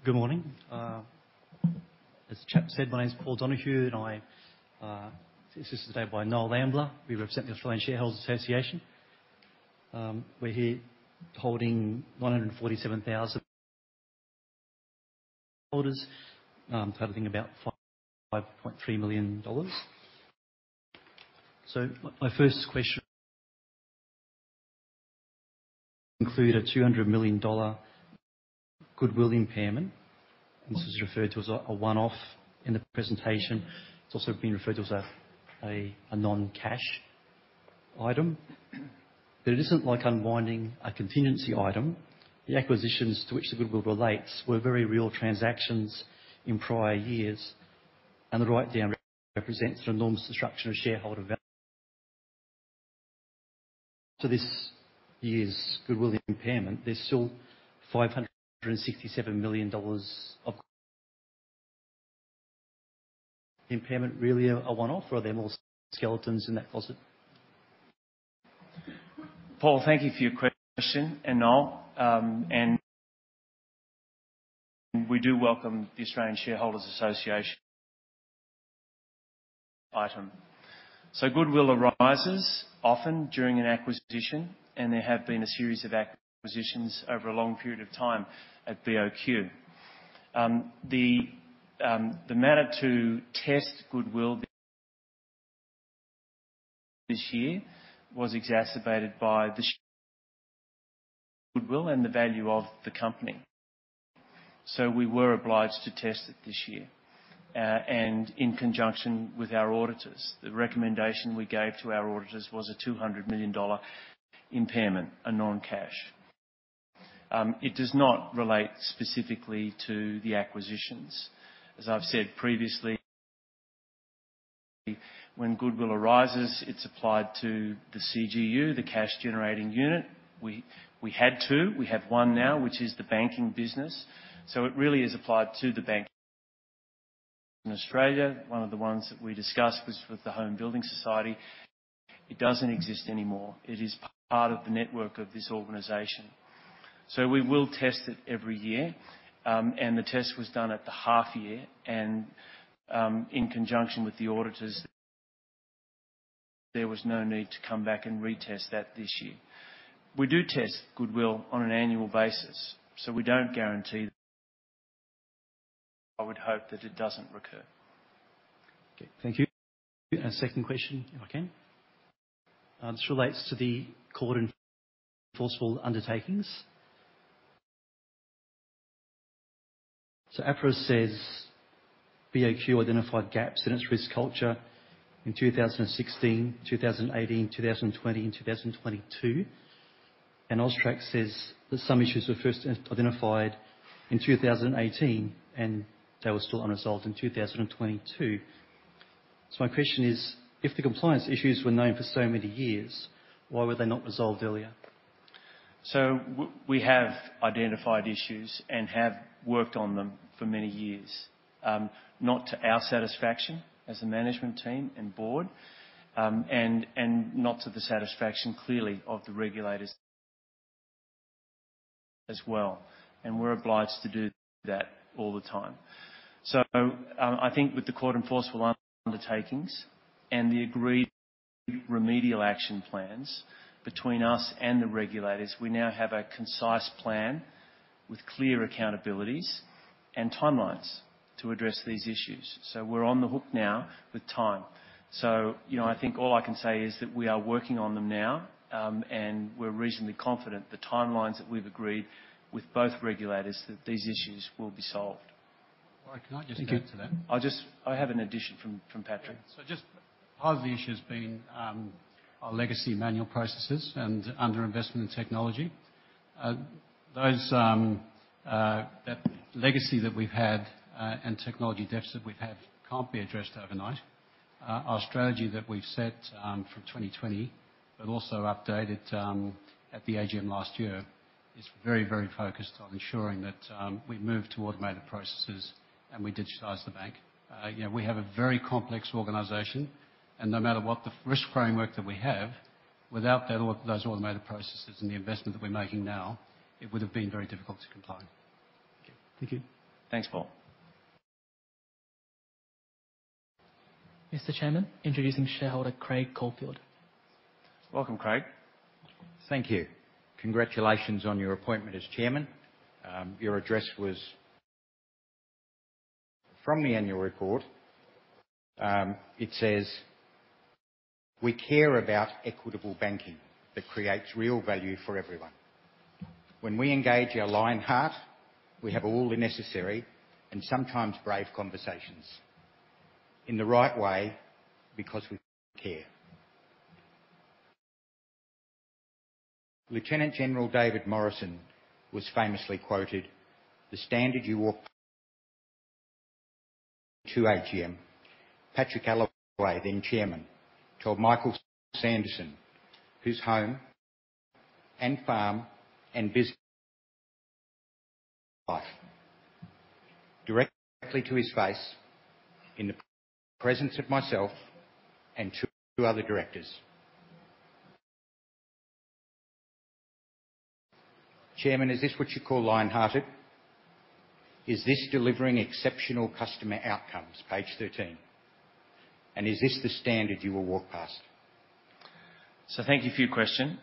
Good morning. As chap said, my name is Paul Donohue, and I assisted today by Noel Ambler. We represent the Australian Shareholders' Association. We're here holding 147,000 shareholders, holding about 5.3 million dollars. So my first question... include a 200 million dollar goodwill impairment. This is referred to as a one-off in the presentation. It's also been referred to as a non-cash item. But it isn't like unwinding a contingency item. The acquisitions to which the goodwill relates were very real transactions in prior years, and the write-down represents an enormous destruction of shareholder value. To this year's goodwill impairment, there's still 567 million dollars of... Impairment really a one-off, or are there more skeletons in that closet? Paul, thank you for your question, and Noel. And we do welcome the Australian Shareholders' Association item. So goodwill arises often during an acquisition, and there have been a series of acquisitions over a long period of time at BOQ. The manner to test goodwill this year was exacerbated by the goodwill and the value of the company. So we were obliged to test it this year, and in conjunction with our auditors. The recommendation we gave to our auditors was an 200 million dollar impairment, a non-cash. It does not relate specifically to the acquisitions. As I've said previously, when goodwill arises, it's applied to the CGU, the Cash Generating Unit. We had two. We have one now, which is the banking business. So it really is applied to the bank in Australia. One of the ones that we discussed was with the Home Building Society. It doesn't exist anymore. It is part of the network of this organization. So we will test it every year. And the test was done at the half year, and, in conjunction with the auditors, there was no need to come back and retest that this year. We do test goodwill on an annual basis, so we don't guarantee... I would hope that it doesn't recur. Okay, thank you. And a second question, if I can. This relates to the Court Enforceable Undertakings. So APRA says BOQ identified gaps in its risk culture in 2016, 2018, 2020, and 2022. And AUSTRAC says that some issues were first identified in 2018, and they were still unresolved in 2022. So my question is: if the compliance issues were known for so many years, why were they not resolved earlier? So we have identified issues and have worked on them for many years. Not to our satisfaction as a management team and board, and not to the satisfaction, clearly, of the regulators as well, and we're obliged to do that all the time. So, I think with the court enforceable undertakings and the agreed Remedial Action Plans between us and the regulators, we now have a concise plan with clear accountabilities and timelines to address these issues. So we're on the hook now with time. So you know, I think all I can say is that we are working on them now, and we're reasonably confident the timelines that we've agreed with both regulators, that these issues will be solved. All right, can I just add to that? I just, I have an addition from, from Patrick. So just part of the issue has been, our legacy manual processes and underinvestment in technology. Those, that legacy that we've had, and technology deficit we've had can't be addressed overnight. Our strategy that we've set, for 2020, but also updated, at the AGM last year, is very, very focused on ensuring that, we move to automated processes and we digitize the bank. You know, we have a very complex organization, and no matter what the risk framework that we have, without those automated processes and the investment that we're making now, it would have been very difficult to comply. Thank you. Thanks, Paul. Mr. Chairman, introducing shareholder Craig Caulfield. Welcome, Craig. Thank you. Congratulations on your appointment as Chairman. Your address was... From the Annual Report, it says we care about equitable banking that creates real value for everyone. When we engage our lionheart, we have all the necessary and sometimes brave conversations, in the right way, because we care. Lieutenant General David Morrison was famously quoted: "The standard you walk-" AGM, Patrick Allaway, then Chairman, told Michael Sanderson, whose home and farm and business-- directly to his face, in the presence of myself and two other directors. Chairman, is this what you call lionhearted? Is this delivering exceptional customer outcomes, page 13? And is this the standard you will walk past? So thank you for your question.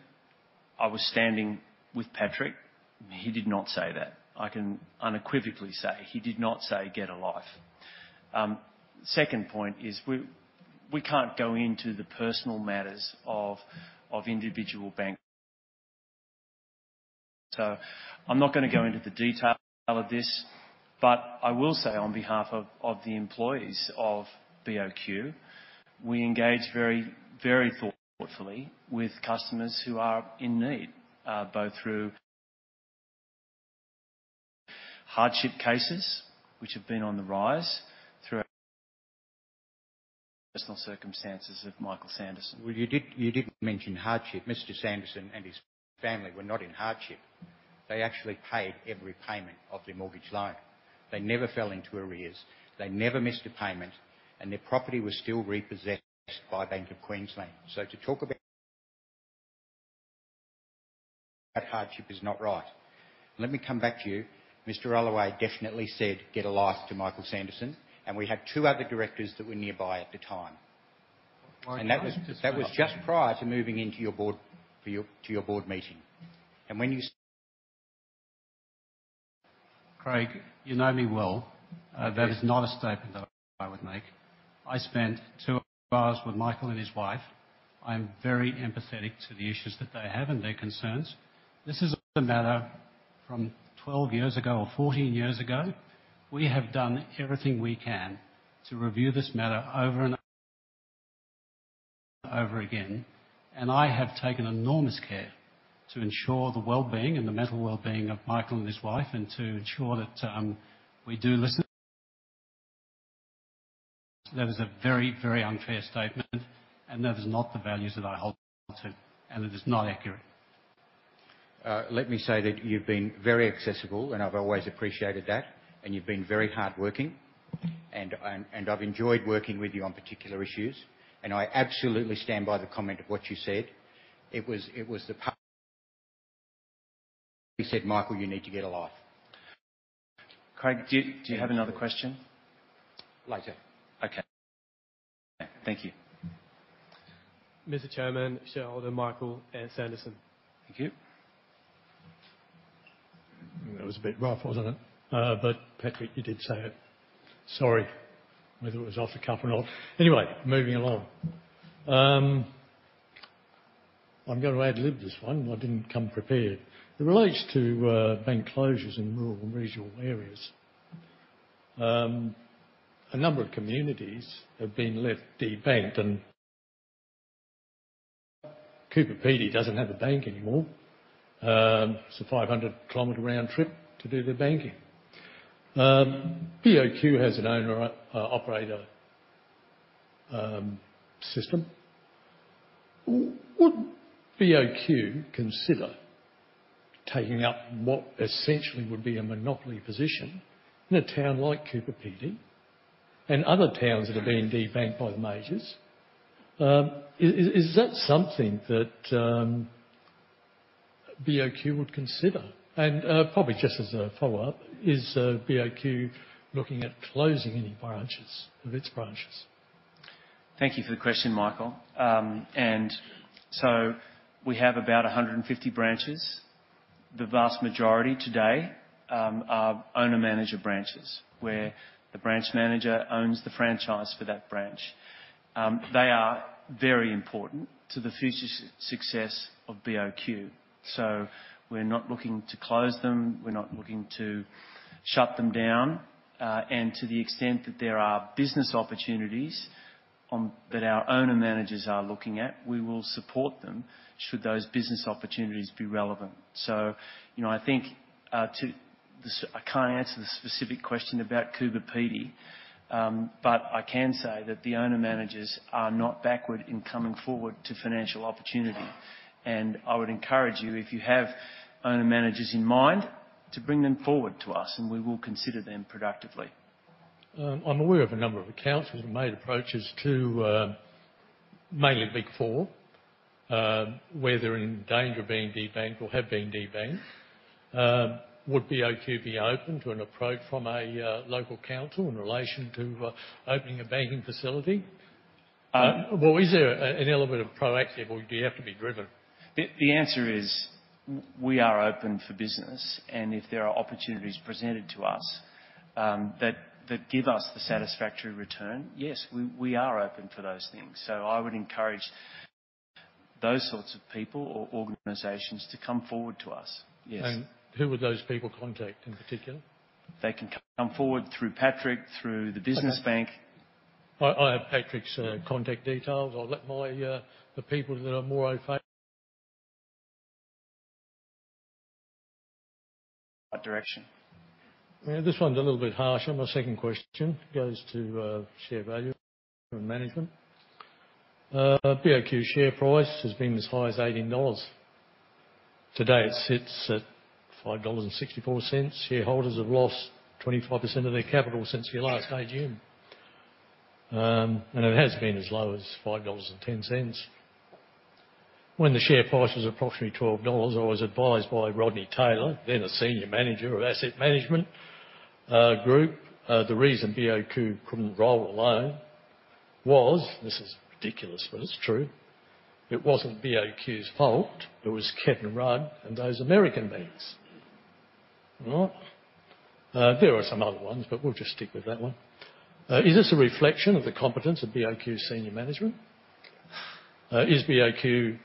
I was standing with Patrick. He did not say that. I can unequivocally say he did not say, "Get a life." Second point is we can't go into the personal matters of individual bank. So I'm not gonna go into the detail of this, but I will say on behalf of the employees of BOQ, we engage very, very thoughtfully with customers who are in need, both through hardship cases, which have been on the rise through personal circumstances of Michael Sanderson. Well, you did, you didn't mention hardship. Mr. Sanderson and his family were not in hardship. They actually paid every payment of their mortgage loan. They never fell into arrears, they never missed a payment, and their property was still repossessed by Bank of Queensland. So to talk about hardship is not right. Let me come back to you. Mr. Allaway definitely said, "Get a life," to Michael Sanderson, and we had two other directors that were nearby at the time. And that was, that was just prior to moving into your board—for your—to your board meeting. And when you- Craig, you know me well. That is not a statement that I would make. I spent two hours with Michael and his wife. I'm very empathetic to the issues that they have and their concerns. This is a matter from 12 years ago or 14 years ago. We have done everything we can to review this matter over and over again, and I have taken enormous care to ensure the well-being and the mental well-being of Michael and his wife, and to ensure that we do listen. That is a very, very unfair statement, and that is not the values that I hold to, and it is not accurate. Let me say that you've been very accessible, and I've always appreciated that, and you've been very hardworking, and I've enjoyed working with you on particular issues, and I absolutely stand by the comment of what you said. It was the part... You said, "Michael, you need to get a life. Craig, do you have another question? Later. Okay. Thank you. Mr. Chairman, shareholder Michael Sanderson. Thank you. That was a bit rough, wasn't it? But, Patrick, you did say it. Sorry, whether it was off the cuff or not. Anyway, moving along. I'm going to ad-lib this one. I didn't come prepared. It relates to bank closures in rural and regional areas. A number of communities have been left debanked, and Coober Pedy doesn't have a bank anymore. It's a 500 km round trip to do their banking. BOQ has an owner operator system. Would BOQ consider taking up what essentially would be a monopoly position in a town like Coober Pedy and other towns that have been debanked by the majors? Is that something that BOQ would consider? And, probably just as a follow-up, is BOQ looking at closing any branches of its branches? Thank you for the question, Michael. And so we have about 150 branches. The vast majority today are owner-manager branches, where the branch manager owns the franchise for that branch. They are very important to the future success of BOQ, so we're not looking to close them, we're not looking to shut them down. And to the extent that there are business opportunities that our owner-managers are looking at, we will support them should those business opportunities be relevant. So, you know, I think, I can't answer the specific question about Coober Pedy, but I can say that the owner-managers are not backward in coming forward to financial opportunity. And I would encourage you, if you have owner-managers in mind, to bring them forward to us, and we will consider them productively. I'm aware of a number of councils who made approaches to, mainly Big Four, where they're in danger of being debanked or have been debanked. Would BOQ be open to an approach from a local council in relation to opening a banking facility? Uh- Or is there an element of proactive, or do you have to be driven? The answer is we are open for business, and if there are opportunities presented to us that give us the satisfactory return, yes, we are open for those things. So I would encourage those sorts of people or organizations to come forward to us. Yes. Who would those people contact in particular? They can come forward through Patrick, through the business bank. I have Patrick's contact details. I'll let the people that are more familiar- -that direction. Yeah, this one's a little bit harsher. My second question goes to share value and management. BOQ share price has been as high as 18 dollars. Today, it sits at 5.64 dollars. Shareholders have lost 25% of their capital since your last AGM. And it has been as low as 5.10 dollars. When the share price was approximately 12 dollars, I was advised by Rodney Taylor, then a senior manager of Asset Management Group, the reason BOQ couldn't roll alone was. This is ridiculous, but it's true. It wasn't BOQ's fault. It was Kevin Rudd and those American banks. Well, there are some other ones, but we'll just stick with that one. Is this a reflection of the competence of BOQ's senior management? Is BOQ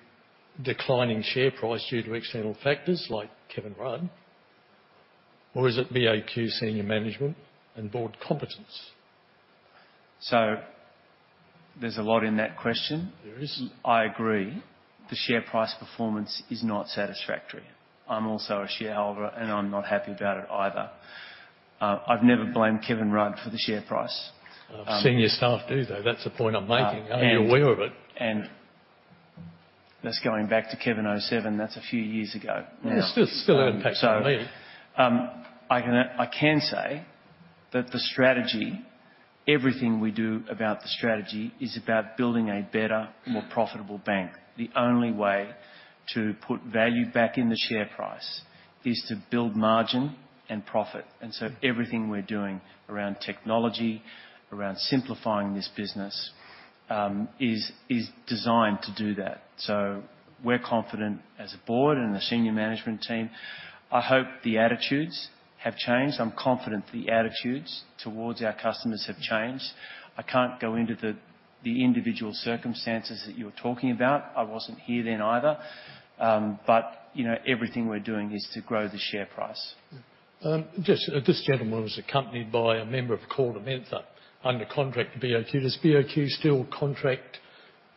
declining share price due to external factors like Kevin Rudd, or is it BOQ senior management and board competence? There's a lot in that question. There is. I agree. The share price performance is not satisfactory. I'm also a shareholder, and I'm not happy about it either. I've never blamed Kevin Rudd for the share price. Senior staff do, though. That's the point I'm making. Uh, and- Are you aware of it? That's going back to Kevin 07. That's a few years ago now. Yeah, still, still impacts me. I can say that the strategy, everything we do about the strategy, is about building a better, more profitable bank. The only way to put value back in the share price is to build margin and profit, and so everything we're doing around technology, around simplifying this business, is designed to do that. So we're confident as a board and a senior management team. I hope the attitudes have changed. I'm confident the attitudes towards our customers have changed. I can't go into the individual circumstances that you're talking about. I wasn't here then either, but you know, everything we're doing is to grow the share price. This gentleman was accompanied by a member of KordaMentha under contract to BOQ. Does BOQ still contract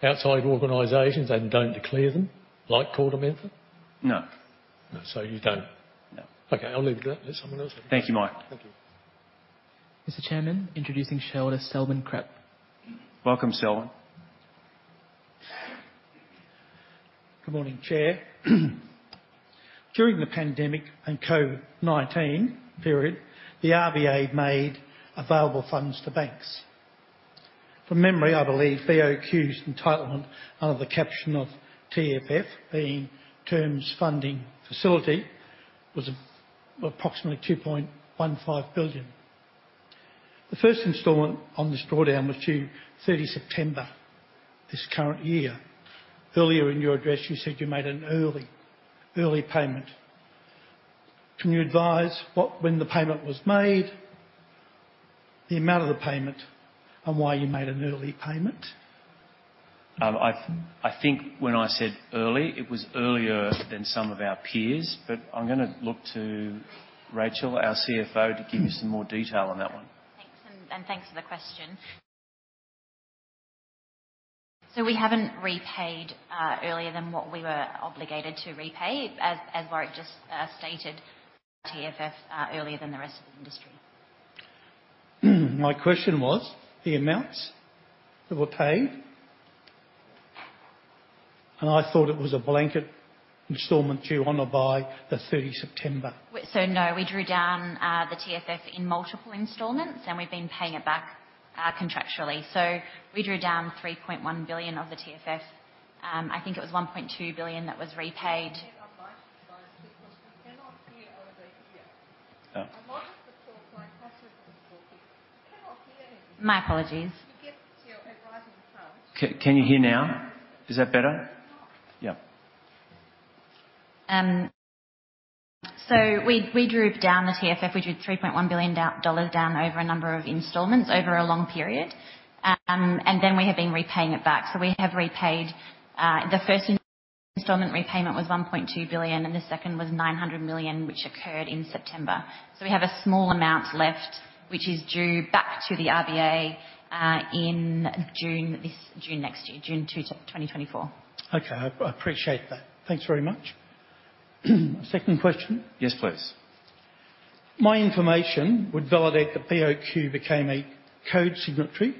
outside organizations and don't declare them, like KordaMentha? No. No. So you don't? No. Okay, I'll leave it at that. There's someone else? Thank you, Mike. Thank you. Mr. Chairman, introducing shareholder Selwyn Crepp. Welcome, Selwyn. Good morning, Chair. During the pandemic and COVID-19 period, the RBA made available funds to banks. From memory, I believe BOQ's entitlement under the caption of TFF, the Term Funding Facility, was approximately 2.15 billion. The first installment on this drawdown was due thirty September, this current year. Earlier in your address, you said you made an early, early payment. Can you advise what, when the payment was made, the amount of the payment, and why you made an early payment? I think when I said early, it was earlier than some of our peers, but I'm gonna look to Racheal, our CFO, to give you some more detail on that one. Thanks, and thanks for the question. So we haven't repaid earlier than what we were obligated to repay. As Warwick just stated, TFF earlier than the rest of the industry. My question was the amounts that were paid... And I thought it was a blanket installment due on or by the 30 September. So no, we drew down the TFF in multiple installments, and we've been paying it back contractually. So we drew down 3.1 billion of the TFF. I think it was 1.2 billion that was repaid. Can you get a mic to him because we cannot hear over here? Oh. A lot of the talk by Patrick was talking. We cannot hear anything. My apologies. You get to your right in front. Can you hear now? Is that better? Yeah. So we drew down the TFF. We drew 3.1 billion dollars down over a number of installments over a long period. And then we have been repaying it back. So we have repaid the first installment repayment was 1.2 billion, and the second was 900 million, which occurred in September. So we have a small amount left, which is due back to the RBA in June, this June next year, June 2, 2024. Okay, I appreciate that. Thanks very much. Second question? Yes, please. My information would validate that BOQ became a code signatory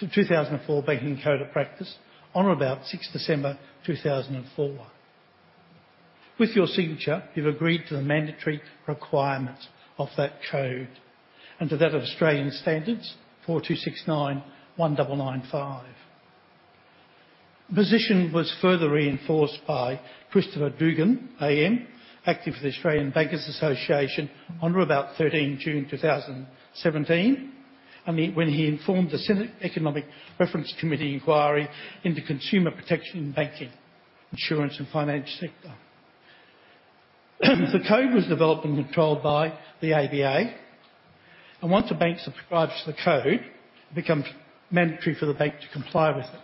to the 2004 Banking Code of Practice on or about 6 December 2004. With your signature, you've agreed to the mandatory requirements of that code and to that of Australian Standards 4269-1995. Position was further reinforced by Christopher Doogan, AM, acting for the Australian Banking Association on or about 13 June 2017. I mean, when he informed the Senate Economic Reference Committee inquiry into consumer protection in banking, insurance, and finance sector. The code was developed and controlled by the ABA, and once a bank subscribes to the code, it becomes mandatory for the bank to comply with it.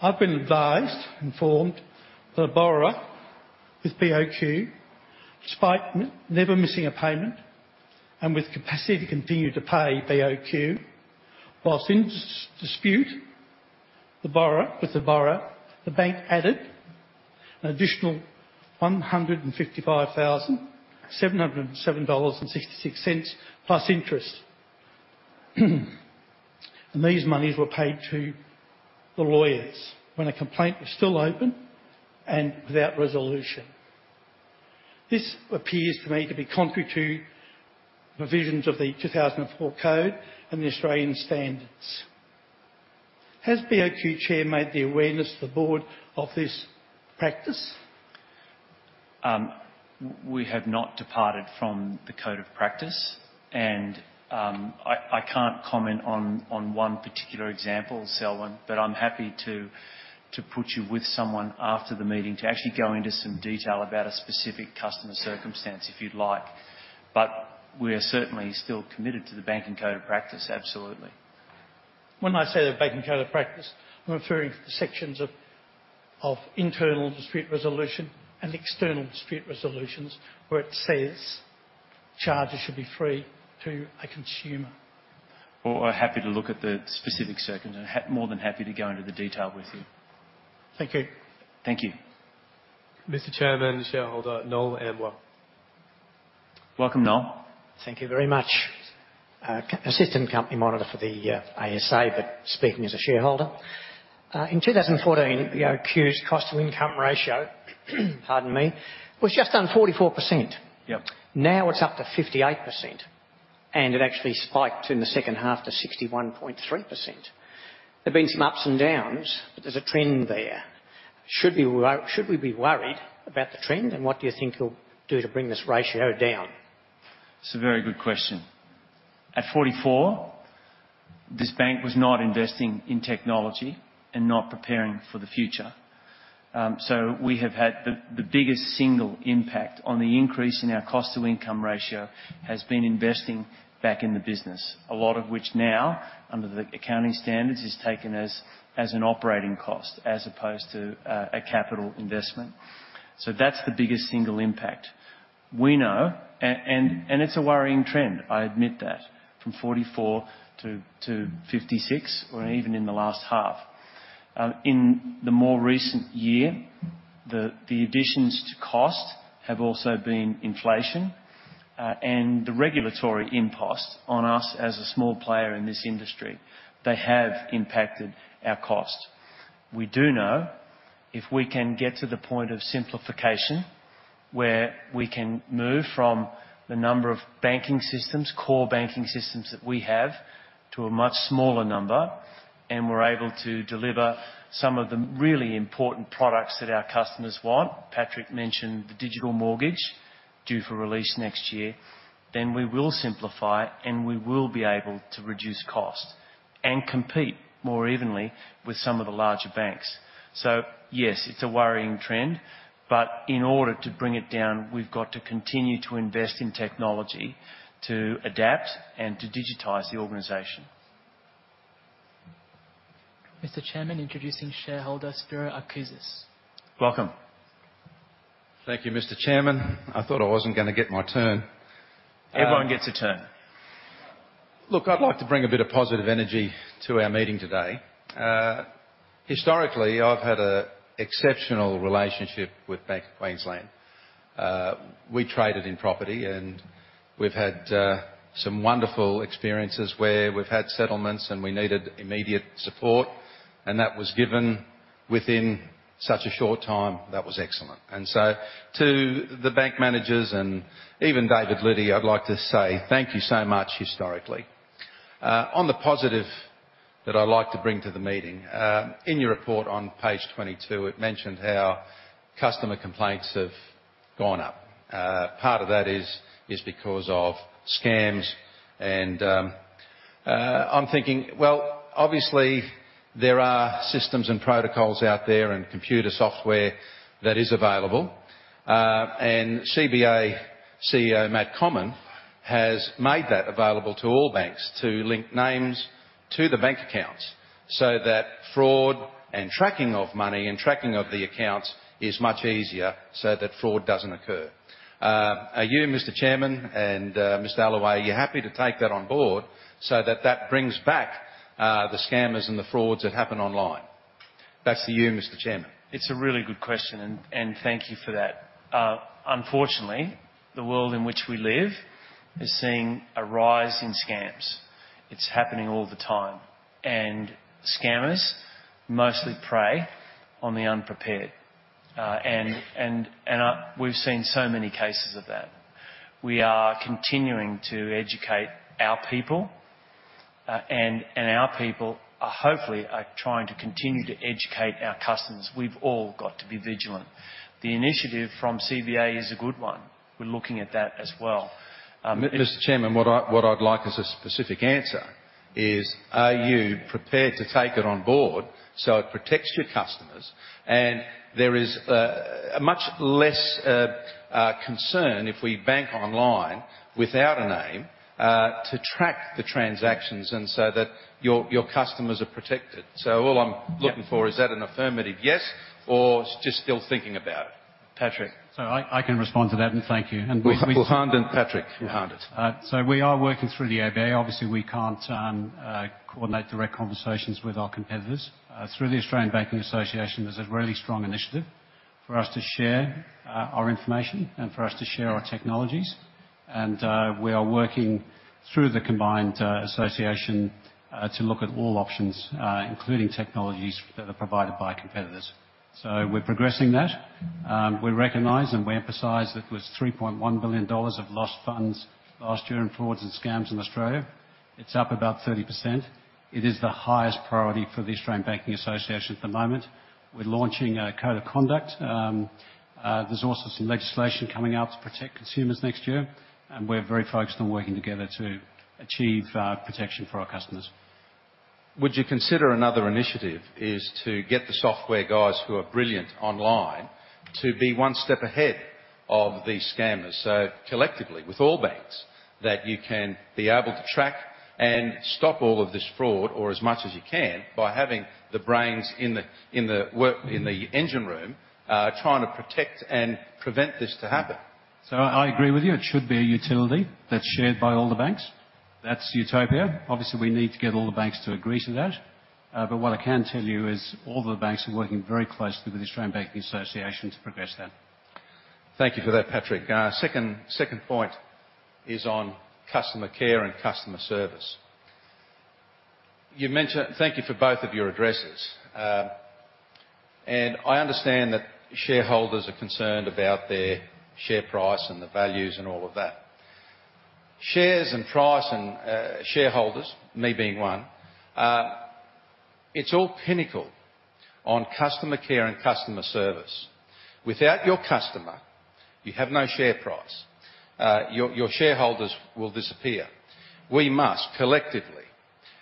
I've been advised, informed, that a borrower with BOQ, despite never missing a payment and with capacity to continue to pay BOQ, whilst in dispute with the borrower, the bank added an additional AUD 155,707.66 plus interest. These monies were paid to the lawyers when a complaint was still open and without resolution. This appears to me to be contrary to the provisions of the 2004 Code and the Australian standards. Has the BOQ Chair made the board aware of this practice? We have not departed from the Code of Practice, and, I can't comment on one particular example, Selwyn, but I'm happy to put you with someone after the meeting to actually go into some detail about a specific customer circumstance, if you'd like. But we are certainly still committed to the Banking Code of Practice, absolutely. When I say the Banking Code of Practice, I'm referring to the sections of internal dispute resolution and external dispute resolutions, where it says charges should be free to a consumer. Well, we're happy to look at the specific circumstances. I'm more than happy to go into the detail with you. Thank you. Thank you. Mr. Chairman, shareholder Noel Ambler. Welcome, Noel. Thank you very much. Assistant Company Monitor for the ASA, but speaking as a shareholder. In 2014, BOQ's cost-to-income ratio, pardon me, was just under 44%. Yep. Now it's up to 58%, and it actually spiked in the second half to 61.3%. There have been some ups and downs, but there's a trend there. Should we be worried about the trend, and what do you think you'll do to bring this ratio down? It's a very good question. At 44, this bank was not investing in technology and not preparing for the future. So we have had the biggest single impact on the increase in our cost-to-income ratio, has been investing back in the business, a lot of which now, under the accounting standards, is taken as an operating cost as opposed to a capital investment. So that's the biggest single impact. We know, and it's a worrying trend, I admit that, from 44 to 56, or even in the last half. In the more recent year, the additions to cost have also been inflation, and the regulatory impost on us as a small player in this industry, they have impacted our cost. We do know if we can get to the point of simplification, where we can move from the number of banking systems, core banking systems that we have, to a much smaller number, and we're able to deliver some of the really important products that our customers want. Patrick mentioned the digital mortgage, due for release next year. Then we will simplify, and we will be able to reduce cost and compete more evenly with some of the larger banks. So yes, it's a worrying trend, but in order to bring it down, we've got to continue to invest in technology, to adapt and to digitize the organization. Mr. Chairman, introducing shareholder, Spiro Arkoudis. Welcome. Thank you, Mr. Chairman. I thought I wasn't gonna get my turn. Everyone gets a turn. Look, I'd like to bring a bit of positive energy to our meeting today. Historically, I've had an exceptional relationship with Bank of Queensland. We traded in property, and we've had some wonderful experiences where we've had settlements, and we needed immediate support, and that was given within such a short time. That was excellent. And so to the bank managers and even David Liddy, I'd like to say thank you so much historically. On the positive that I'd like to bring to the meeting, in your report on page 22, it mentioned how customer complaints have gone up. Part of that is because of scams, and I'm thinking... Well, obviously, there are systems and protocols out there and computer software that is available, and CBA CEO Matt Comyn has made that available to all banks to link names to the bank accounts so that fraud and tracking of money and tracking of the accounts is much easier so that fraud doesn't occur. Are you, Mr. Chairman, and, Mr. Allaway, are you happy to take that on board so that that brings back, the scammers and the frauds that happen online? That's to you, Mr. Chairman. It's a really good question, and thank you for that. Unfortunately, the world in which we live is seeing a rise in scams. It's happening all the time, and scammers mostly prey on the unprepared. We've seen so many cases of that. We are continuing to educate our people and our people are hopefully trying to continue to educate our customers. We've all got to be vigilant. The initiative from CBA is a good one. We're looking at that as well. Mr. Chairman, what I'd like as a specific answer is: are you prepared to take it on board so it protects your customers? And there is a much less concern if we bank online without a name to track the transactions and so that your customers are protected. So all I'm looking for- Yeah. Is that an affirmative yes or just still thinking about it? Patrick. So I can respond to that, and thank you. And we- We'll hand in Patrick. We'll hand it. So we are working through the ABA. Obviously, we can't coordinate direct conversations with our competitors. Through the Australian Banking Association, there's a really strong initiative for us to share our information and for us to share our technologies. We are working through the combined association to look at all options, including technologies that are provided by competitors. So we're progressing that. We recognize and we emphasize that with 3.1 billion dollars of lost funds last year in frauds and scams in Australia, it's up about 30%. It is the highest priority for the Australian Banking Association at the moment. We're launching a code of conduct. There's also some legislation coming out to protect consumers next year, and we're very focused on working together to achieve protection for our customers. Would you consider another initiative is to get the software guys, who are brilliant online, to be one step ahead of these scammers? So collectively, with all banks, that you can be able to track and stop all of this fraud, or as much as you can, by having the brains in the work in the engine room trying to protect and prevent this to happen. So I agree with you. It should be a utility that's shared by all the banks. That's utopia. Obviously, we need to get all the banks to agree to that. But what I can tell you is all the banks are working very closely with the Australian Banking Association to progress that. Thank you for that, Patrick. Second, second point is on customer care and customer service. You mentioned—Thank you for both of your addresses. And I understand that shareholders are concerned about their share price and the values and all of that. Shares and price and, shareholders, me being one, it's all pinnacle on customer care and customer service. Without your customer, you have no share price. Your, your shareholders will disappear. We must, collectively,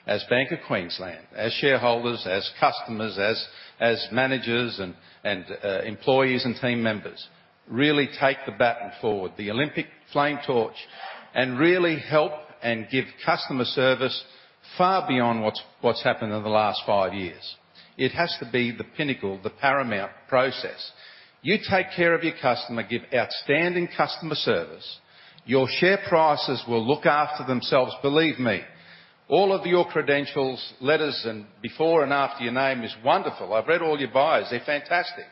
as Bank of Queensland, as shareholders, as customers, as, as, managers, and, and, employees, and team members, really take the baton forward, the Olympic flame torch, and really help and give customer service far beyond what's, what's happened in the last five years. It has to be the pinnacle, the paramount process. You take care of your customer, give outstanding customer service, your share prices will look after themselves, believe me. All of your credentials, letters, and before and after your name is wonderful. I've read all your bios. They're fantastic.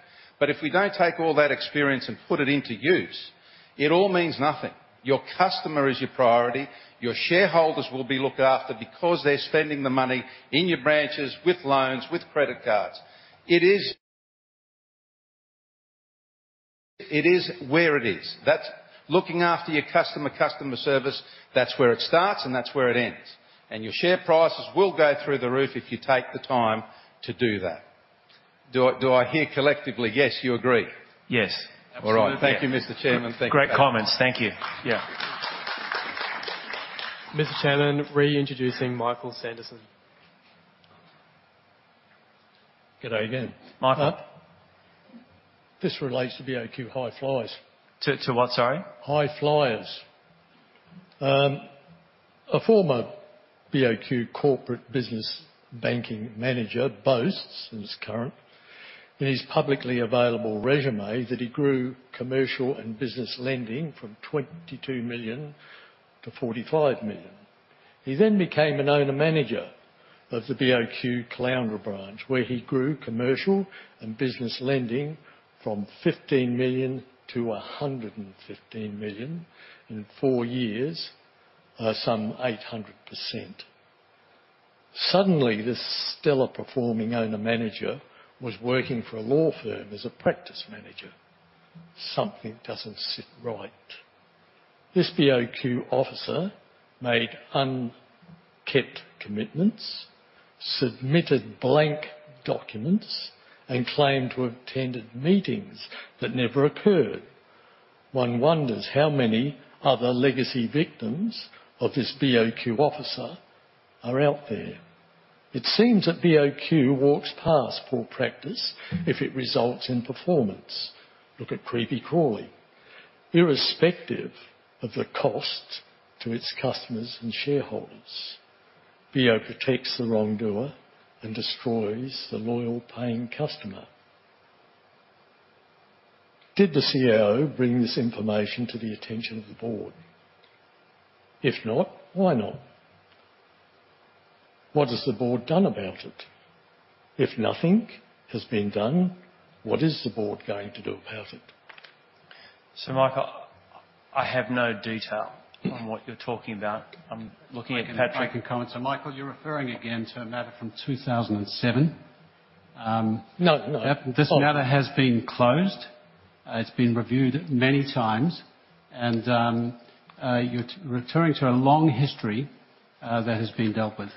But if we don't take all that experience and put it into use, it all means nothing. Your customer is your priority. Your shareholders will be looked after because they're spending the money in your branches with loans, with credit cards. It is... It is where it is. That's—looking after your customer, customer service, that's where it starts and that's where it ends. And your share prices will go through the roof if you take the time to do that. Do I, do I hear collectively, yes, you agree? Yes. All right. Absolutely. Thank you, Mr. Chairman. Thank you. Great comments. Thank you. Yeah. Mr. Chairman, reintroducing Michael Sanderson. Good day again, Michael. This relates to BOQ High Flyers. To what, sorry? High Flyers. A former BOQ corporate business banking manager boasts, and is current, in his publicly available resume, that he grew commercial and business lending from 22 million to 45 million. He then became an owner-manager of the BOQ Caloundra branch, where he grew commercial and business lending from 15 million to 115 million in four years, some 800%. Suddenly, this stellar-performing owner-manager was working for a law firm as a practice manager. Something doesn't sit right. This BOQ officer made unkept commitments, submitted blank documents, and claimed to have attended meetings that never occurred. One wonders how many other legacy victims of this BOQ officer are out there. It seems that BOQ walks past poor practice if it results in performance. Look at Creepy Crawly. Irrespective of the cost to its customers and shareholders, BOQ protects the wrongdoer and destroys the loyal, paying customer. Did the CEO bring this information to the attention of the board? If not, why not? What has the board done about it? If nothing has been done, what is the board going to do about it? So, Michael, I have no detail on what you're talking about. I'm looking at Patrick. I can, I can comment. So Michael, you're referring again to a matter from 2007?... no, no- This matter has been closed. It's been reviewed many times, and you're returning to a long history that has been dealt with.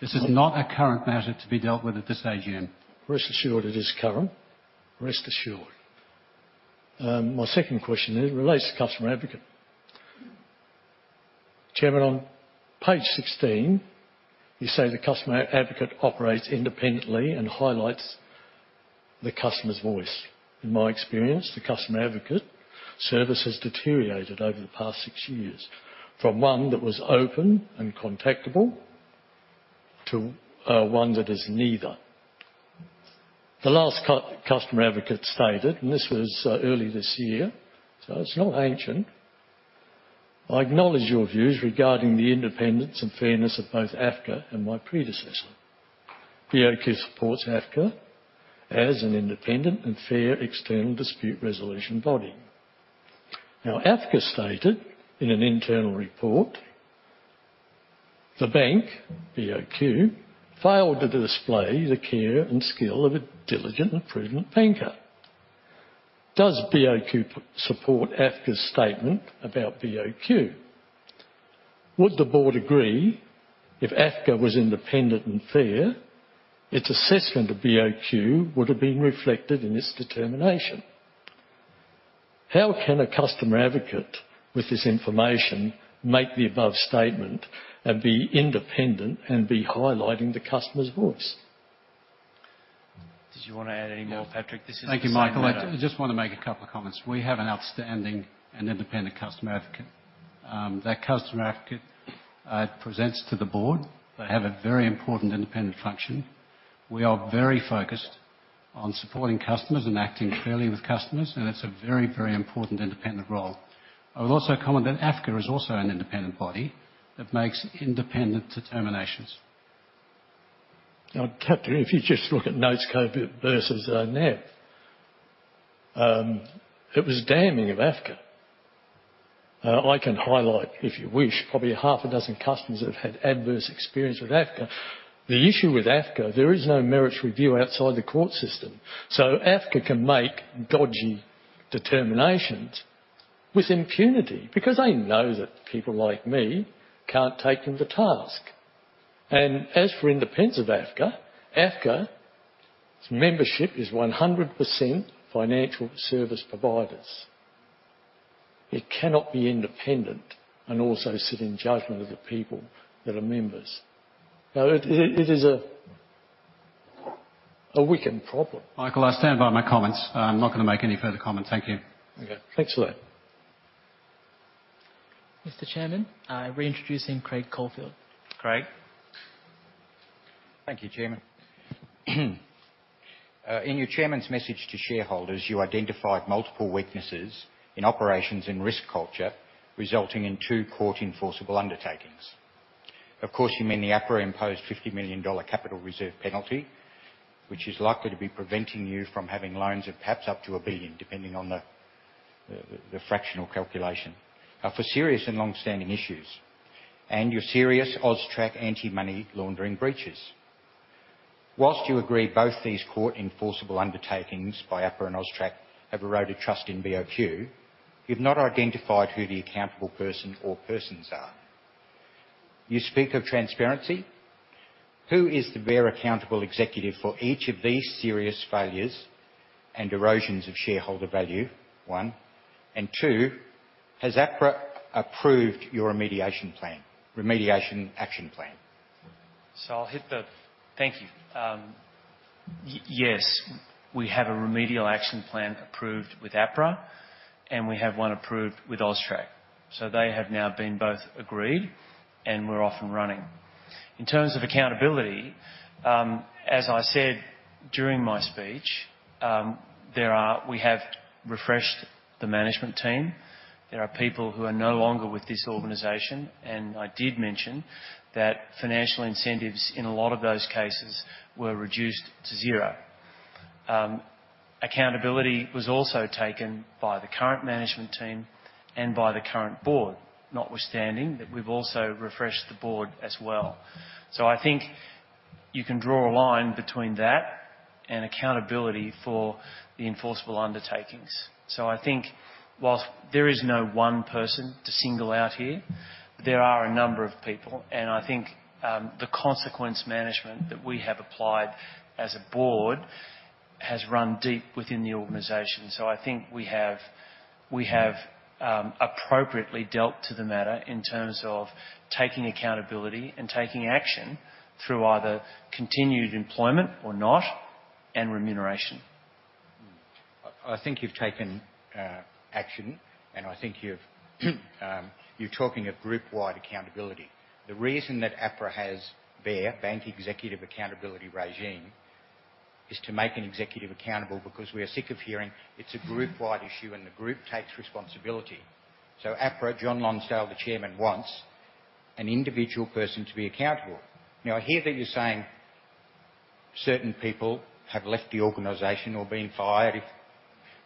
This is not a current matter to be dealt with at this AGM. Rest assured, it is current. Rest assured. My second question is, relates to customer advocate. Chairman, on page 16, you say the customer advocate operates independently and highlights the customer's voice. In my experience, the customer advocate service has deteriorated over the past six years, from one that was open and contactable to one that is neither. The last customer advocate stated, and this was early this year, so it's not ancient: "I acknowledge your views regarding the independence and fairness of both AFCA and my predecessor. BOQ supports AFCA as an independent and fair external dispute resolution body." Now, AFCA stated in an internal report, "The bank, BOQ, failed to display the care and skill of a diligent and prudent banker." Does BOQ support AFCA's statement about BOQ? Would the board agree if AFCA was independent and fair, its assessment of BOQ would have been reflected in this determination? How can a customer advocate, with this information, make the above statement and be independent, and be highlighting the customer's voice? Did you want to add any more, Patrick? This is the same matter. Thank you, Michael. I just want to make a couple of comments. We have an outstanding and independent customer advocate. That customer advocate presents to the board. They have a very important independent function. We are very focused on supporting customers and acting fairly with customers, and it's a very, very important independent role. I would also comment that AFCA is also an independent body that makes independent determinations. Now, Patrick, if you just look at Notesco versus, Net, it was damning of AFCA. I can highlight, if you wish, probably half a dozen customers that have had adverse experience with AFCA. The issue with AFCA, there is no merits review outside the court system, so AFCA can make dodgy determinations with impunity because they know that people like me can't take them to task. As for independence of AFCA, AFCA's membership is 100% financial service providers. It cannot be independent and also sit in judgment of the people that are members. Now, it is a wicked problem. Michael, I stand by my comments. I'm not gonna make any further comment. Thank you. Okay, thanks a lot. Mr. Chairman, reintroducing Craig Caulfield. Craig? Thank you, Chairman. In your Chairman's message to shareholders, you identified multiple weaknesses in operations and risk culture, resulting in two court enforceable undertakings. Of course, you mean the APRA-imposed 50 million dollar capital reserve penalty, which is likely to be preventing you from having loans of perhaps up to 1 billion, depending on the fractional calculation, for serious and long-standing issues, and your serious AUSTRAC anti-money laundering breaches. While you agree both these court enforceable undertakings by APRA and AUSTRAC have eroded trust in BOQ, you've not identified who the accountable person or persons are. You speak of transparency. Who is the BEAR accountable executive for each of these serious failures and erosions of shareholder value, one? And two, has APRA approved your remediation plan, remediation action plan? Thank you. Yes, we have a Remedial Action Plan approved with APRA, and we have one approved with AUSTRAC, so they have now both been agreed, and we're off and running. In terms of accountability, as I said during my speech, there are, we have refreshed the management team. There are people who are no longer with this organization, and I did mention that financial incentives in a lot of those cases were reduced to zero. Accountability was also taken by the current management team and by the current board, notwithstanding that we've also refreshed the board as well. So I think you can draw a line between that and accountability for the enforceable undertakings. So I think while there is no one person to single out here, there are a number of people, and I think, the consequence management that we have applied as a board has run deep within the organization. So I think we have appropriately dealt to the matter in terms of taking accountability and taking action through either continued employment or not, and remuneration. I think you've taken action, and I think you're talking of group-wide accountability. The reason that APRA has BEAR, Bank Executive Accountability Regime, is to make an executive accountable because we are sick of hearing it's a group-wide issue, and the group takes responsibility. So APRA, John Lonsdale, the Chairman, wants an individual person to be accountable. Now, I hear that you're saying certain people have left the organization or been fired, if-...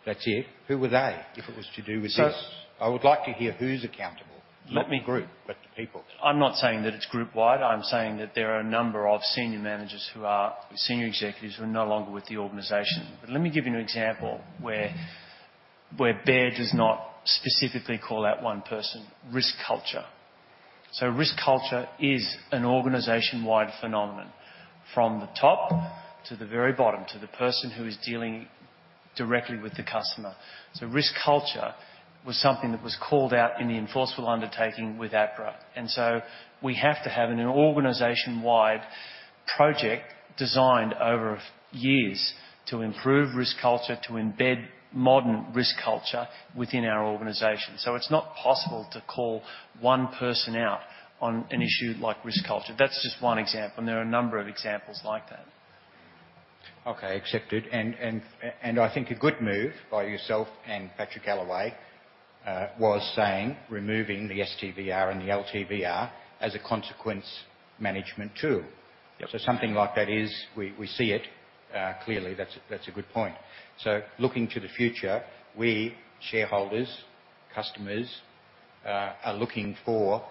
That's it? Who were they, if it was to do with this? So- I would like to hear who's accountable. Let me- Not the group, but the people. I'm not saying that it's group wide. I'm saying that there are a number of senior managers who are senior executives who are no longer with the organization. But let me give you an example where BEAR does not specifically call out one person: risk culture. So risk culture is an organization-wide phenomenon, from the top to the very bottom, to the person who is dealing directly with the customer. So risk culture was something that was called out in the enforceable undertaking with APRA, and so we have to have an organization-wide project designed over years to improve risk culture, to embed modern risk culture within our organization. So it's not possible to call one person out on an issue like risk culture. That's just one example, and there are a number of examples like that. Okay, accepted. And I think a good move by yourself and Patrick Allaway was saying removing the STVR and the LTVR as a consequence management tool. Yep. So something like that is. We, we see it. Clearly, that's a good point. So looking to the future, we, shareholders, customers are looking for,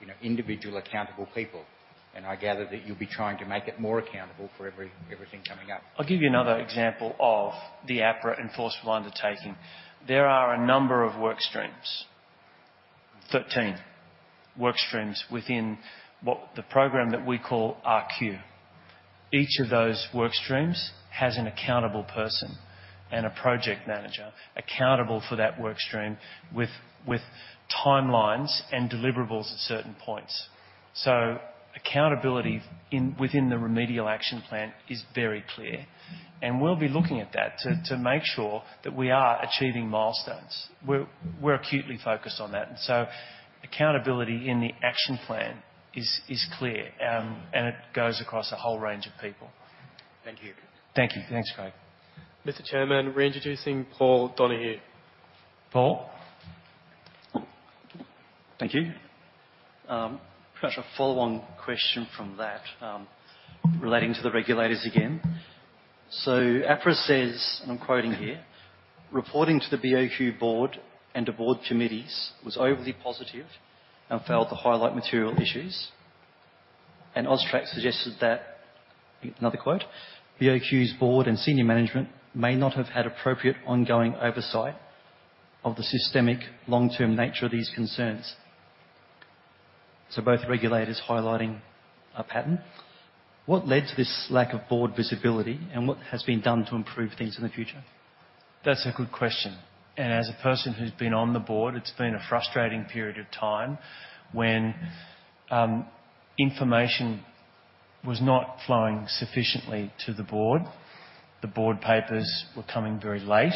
you know, individual accountable people, and I gather that you'll be trying to make it more accountable for everything coming up. I'll give you another example of the APRA enforceable undertaking. There are a number of work streams, 13 work streams, within what the program that we call rQ. Each of those work streams has an accountable person and a project manager accountable for that work stream, with timelines and deliverables at certain points. So accountability within the Remedial Action Plan is very clear, and we'll be looking at that to make sure that we are achieving milestones. We're acutely focused on that, and so accountability in the action plan is clear, and it goes across a whole range of people. Thank you. Thank you. Thanks, Craig. Mr. Chairman, reintroducing Paul Donohue. Paul? Thank you. Perhaps a follow-on question from that, relating to the regulators again. So APRA says, and I'm quoting here, "Reporting to the BOQ board and the board committees was overly positive and failed to highlight material issues," and AUSTRAC suggested that, another quote, "BOQ's board and senior management may not have had appropriate ongoing oversight of the systemic long-term nature of these concerns." So both regulators highlighting a pattern. What led to this lack of board visibility, and what has been done to improve things in the future? That's a good question, and as a person who's been on the board, it's been a frustrating period of time when information was not flowing sufficiently to the board. The board papers were coming very late.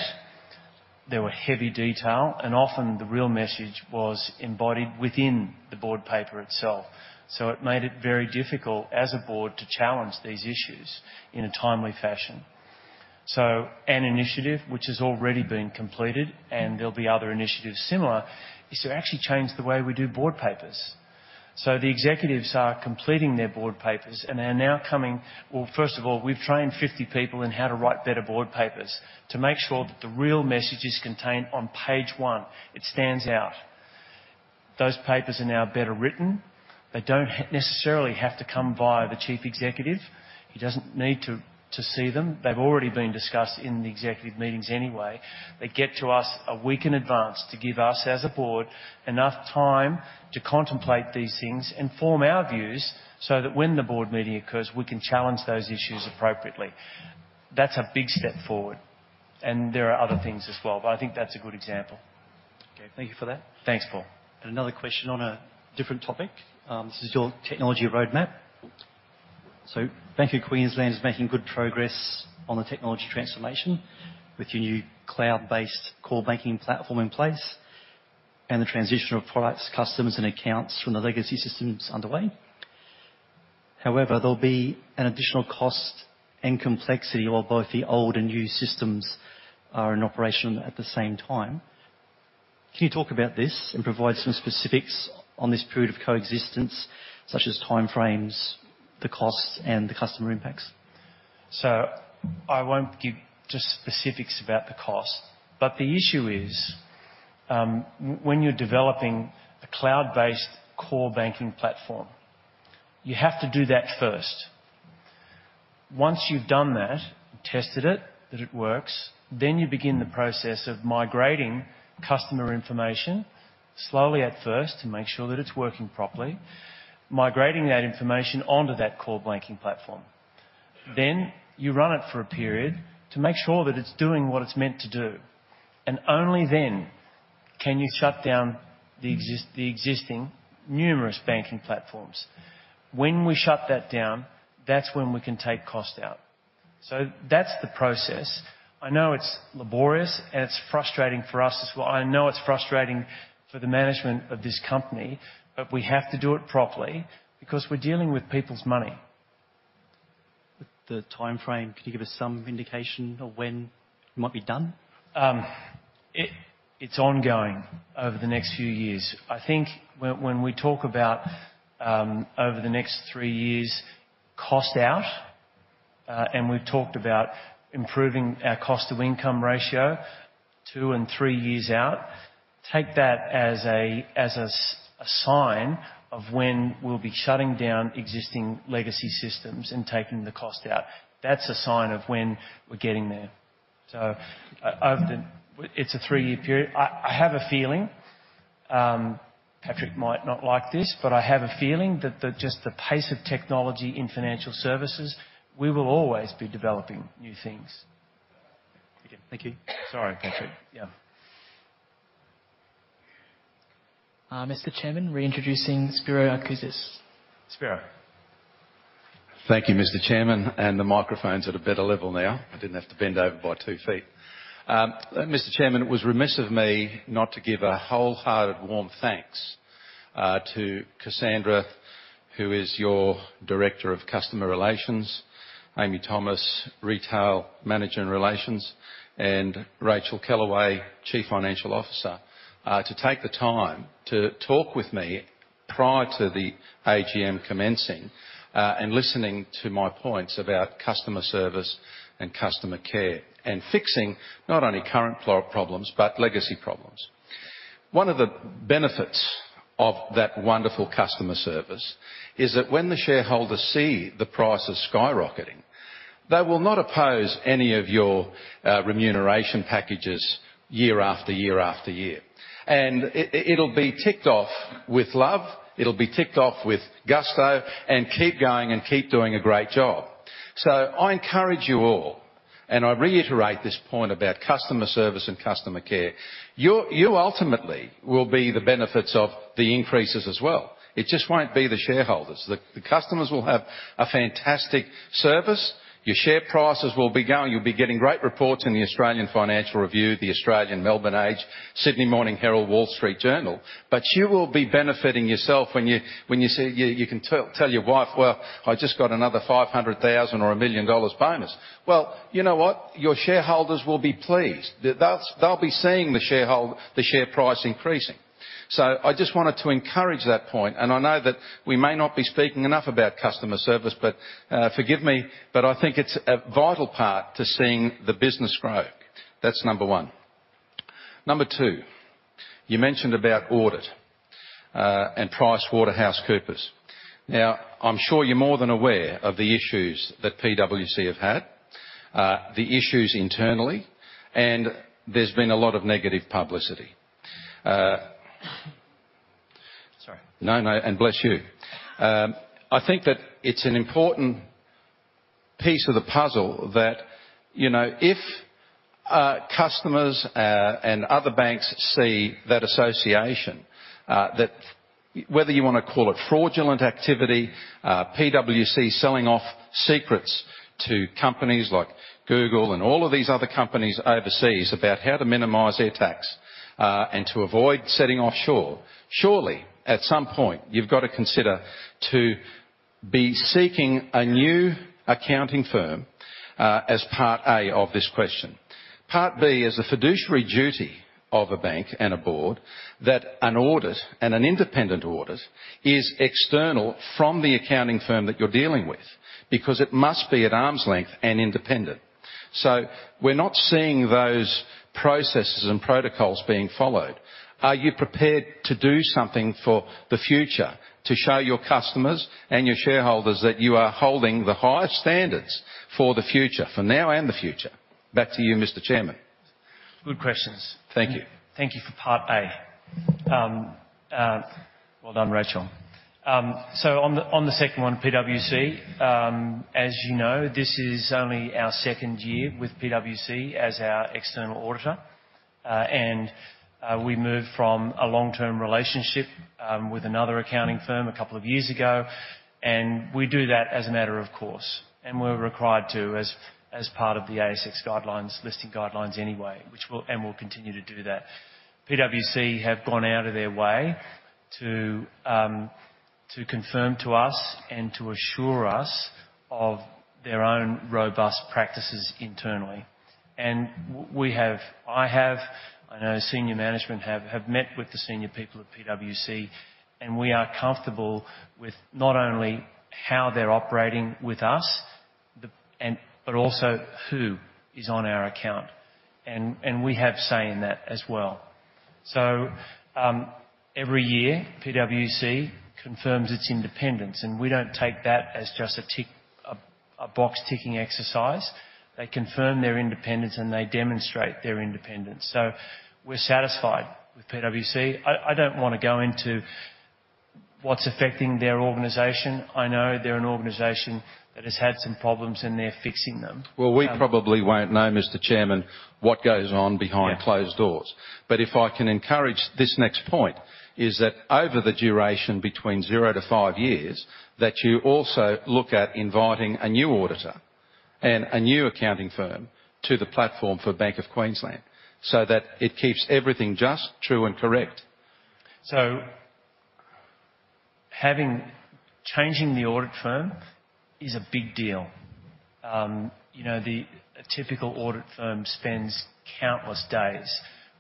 They were heavy detail, and often the real message was embodied within the board paper itself. So it made it very difficult, as a board, to challenge these issues in a timely fashion. So an initiative which has already been completed, and there'll be other initiatives similar, is to actually change the way we do board papers. So the executives are completing their board papers, and they are now coming... Well, first of all, we've trained 50 people in how to write better board papers to make sure that the real message is contained on page one. It stands out. Those papers are now better written. They don't necessarily have to come via the Chief Executive. He doesn't need to, to see them. They've already been discussed in the executive meetings anyway. They get to us a week in advance to give us, as a board, enough time to contemplate these things and form our views, so that when the board meeting occurs, we can challenge those issues appropriately. That's a big step forward, and there are other things as well, but I think that's a good example. Okay, thank you for that. Thanks, Paul. Another question on a different topic. This is your technology roadmap. Bank of Queensland is making good progress on the technology transformation with your new cloud-based core banking platform in place, and the transition of products, customers, and accounts from the legacy system is underway. However, there'll be an additional cost and complexity while both the old and new systems are in operation at the same time. Can you talk about this and provide some specifics on this period of coexistence, such as timeframes, the costs, and the customer impacts? So I won't give just specifics about the cost, but the issue is, when you're developing a cloud-based core banking platform, you have to do that first. Once you've done that and tested it, that it works, then you begin the process of migrating customer information, slowly at first, to make sure that it's working properly, migrating that information onto that core banking platform. Then you run it for a period to make sure that it's doing what it's meant to do, and only then can you shut down the existing numerous banking platforms. When we shut that down, that's when we can take cost out. So that's the process. I know it's laborious, and it's frustrating for us as well. I know it's frustrating for the management of this company, but we have to do it properly because we're dealing with people's money. The timeframe, can you give us some indication of when you might be done?... It's ongoing over the next few years. I think when we talk about over the next three years, cost out, and we've talked about improving our cost to income ratio two and three years out, take that as a sign of when we'll be shutting down existing legacy systems and taking the cost out. That's a sign of when we're getting there. So over the—it's a three-year period. I have a feeling Patrick might not like this, but I have a feeling that just the pace of technology in financial services, we will always be developing new things. Thank you. Sorry, Patrick. Yeah. Mr. Chairman, reintroducing Spiro Arkoudis. Spiro. Thank you, Mr. Chairman. The microphone's at a better level now. I didn't have to bend over by two feet. Mr. Chairman, it was remiss of me not to give a wholehearted, warm thanks to Cassandra, who is your Director of Customer Relations, Amy Thomas, Retail Manager in Relations, and Racheal Kellaway, Chief Financial Officer, to take the time to talk with me prior to the AGM commencing, and listening to my points about customer service and customer care, and fixing not only current problems but legacy problems. One of the benefits of that wonderful customer service is that when the shareholders see the prices skyrocketing, they will not oppose any of your remuneration packages year after year after year. It, it'll be ticked off with love, it'll be ticked off with gusto, and keep going and keep doing a great job. So I encourage you all, and I reiterate this point about customer service and customer care, you, you ultimately will be the benefits of the increases as well. It just won't be the shareholders. The, the customers will have a fantastic service. Your share prices will be going. You'll be getting great reports in the Australian Financial Review, The Age, Sydney Morning Herald, Wall Street Journal. But you will be benefiting yourself when you, when you say, you, you can tell, tell your wife, "Well, I just got another 500,000 or 1 million dollars bonus." Well, you know what? Your shareholders will be pleased. They'll, they'll be seeing the sharehold, the share price increasing. So I just wanted to encourage that point, and I know that we may not be speaking enough about customer service, but, forgive me, but I think it's a vital part to seeing the business grow. That's number one. Number two, you mentioned about audit, and PricewaterhouseCoopers. Now, I'm sure you're more than aware of the issues that PwC have had, the issues internally, and there's been a lot of negative publicity. Sorry. No, no, and bless you. I think that it's an important piece of the puzzle that, you know, if customers and other banks see that association, that whether you want to call it fraudulent activity, PwC selling off secrets to companies like Google and all of these other companies overseas about how to minimize their tax and to avoid setting offshore. Surely, at some point, you've got to consider to be seeking a new accounting firm, as part A of this question. Part B is the fiduciary duty of a bank and a board that an audit, and an independent audit, is external from the accounting firm that you're dealing with, because it must be at arm's length and independent. So we're not seeing those processes and protocols being followed. Are you prepared to do something for the future to show your customers and your shareholders that you are holding the highest standards for the future, for now and the future? Back to you, Mr. Chairman. Good questions. Thank you. Thank you for part A. Well done, Racheal. So on the second one, PwC, as you know, this is only our second year with PwC as our external auditor. We moved from a long-term relationship with another accounting firm a couple of years ago, and we do that as a matter of course, and we're required to as part of the ASX guidelines, listing guidelines anyway, which we'll continue to do that. PwC have gone out of their way to confirm to us and to assure us of their own robust practices internally. And we have. I have. I know senior management have met with the senior people at PwC, and we are comfortable with not only how they're operating with us, but also who is on our account. We have say in that as well. So every year, PwC confirms its independence, and we don't take that as just a tick, a box-ticking exercise. They confirm their independence, and they demonstrate their independence. So we're satisfied with PwC. I don't want to go into what's affecting their organization. I know they're an organization that has had some problems, and they're fixing them. Well, we probably won't know, Mr. Chairman, what goes on- Yeah... behind closed doors. But if I can encourage this next point, is that over the duration between zero to five years, that you also look at inviting a new auditor and a new accounting firm to the platform for Bank of Queensland, so that it keeps everything just true and correct. Changing the audit firm is a big deal. You know, a typical audit firm spends countless days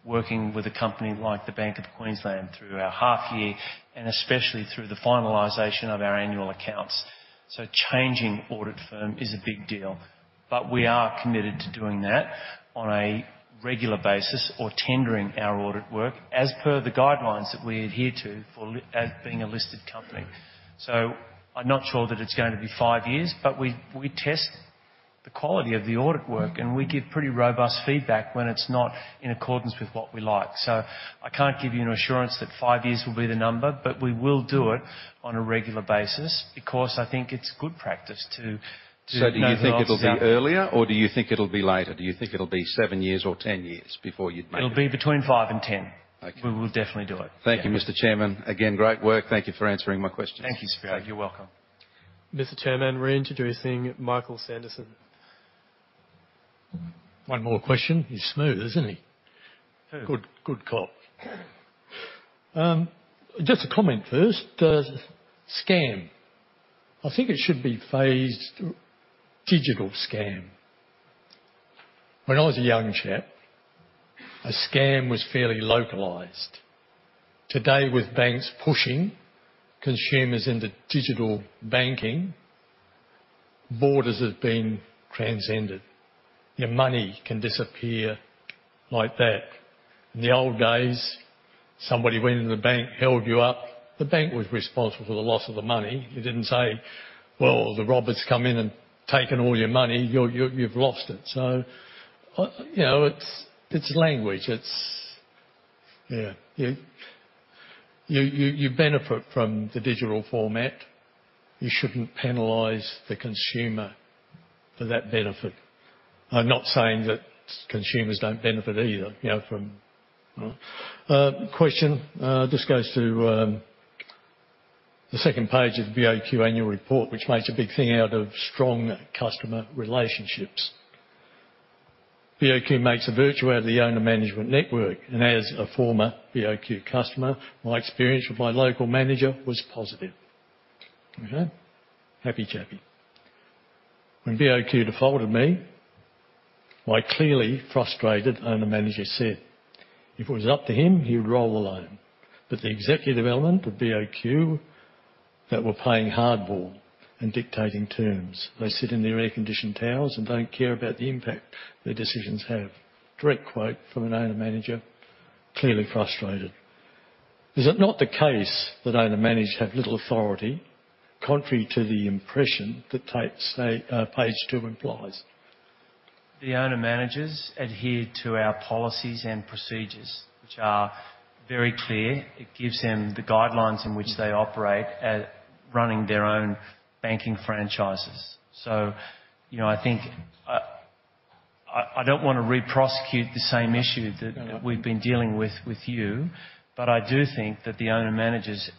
working with a company like the Bank of Queensland through our half year, and especially through the finalization of our annual accounts. So changing audit firm is a big deal, but we are committed to doing that on a regular basis or tendering our audit work as per the guidelines that we adhere to as being a listed company. So I'm not sure that it's going to be five years, but we test the quality of the audit work, and we give pretty robust feedback when it's not in accordance with what we like. So I can't give you an assurance that five years will be the number, but we will do it on a regular basis, because I think it's good practice to. So do you think it'll be earlier, or do you think it'll be later? Do you think it'll be seven years or 10 years before you'd make- It'll be between five and 10. Okay. We will definitely do it. Thank you, Mr. Chairman. Again, great work. Thank you for answering my questions. Thank you, Spiro. You're welcome. Mr. Chairman, we're introducing Michael Sanderson. One more question. He's smooth, isn't he? Yeah. Good, good cop. Just a comment first. The scam, I think it should be phased digital scam. When I was a young chap, a scam was fairly localized. Today, with banks pushing consumers into digital banking, borders have been transcended. Your money can disappear like that. In the old days, somebody went in the bank, held you up, the bank was responsible for the loss of the money. You didn't say, "Well, the robber's come in and taken all your money. You're, you've lost it." So, you know, it's language. It's... Yeah. You benefit from the digital format. You shouldn't penalize the consumer for that benefit. I'm not saying that consumers don't benefit either, you know, from... Question. This goes to the second page of the BOQ Annual Report, which makes a big thing out of strong customer relationships. BOQ makes a virtue out of the owner management network, and as a former BOQ customer, my experience with my local manager was positive. Okay? Happy chappy. When BOQ defaulted me, my clearly frustrated owner-manager said, "If it was up to him, he would roll the loan. But the executive element of BOQ that were playing hardball and dictating terms, they sit in their air-conditioned towers and don't care about the impact their decisions have." Direct quote from an owner-manager, clearly frustrated. Is it not the case that owner-managers have little authority, contrary to the impression that type, say, page two implies? The owner-managers adhere to our policies and procedures, which are very clear. It gives them the guidelines in which they operate at running their own banking franchises. So, you know, I think I don't want to reprosecute the same issue that- No... we've been dealing with you, but I do think that the owner-managers,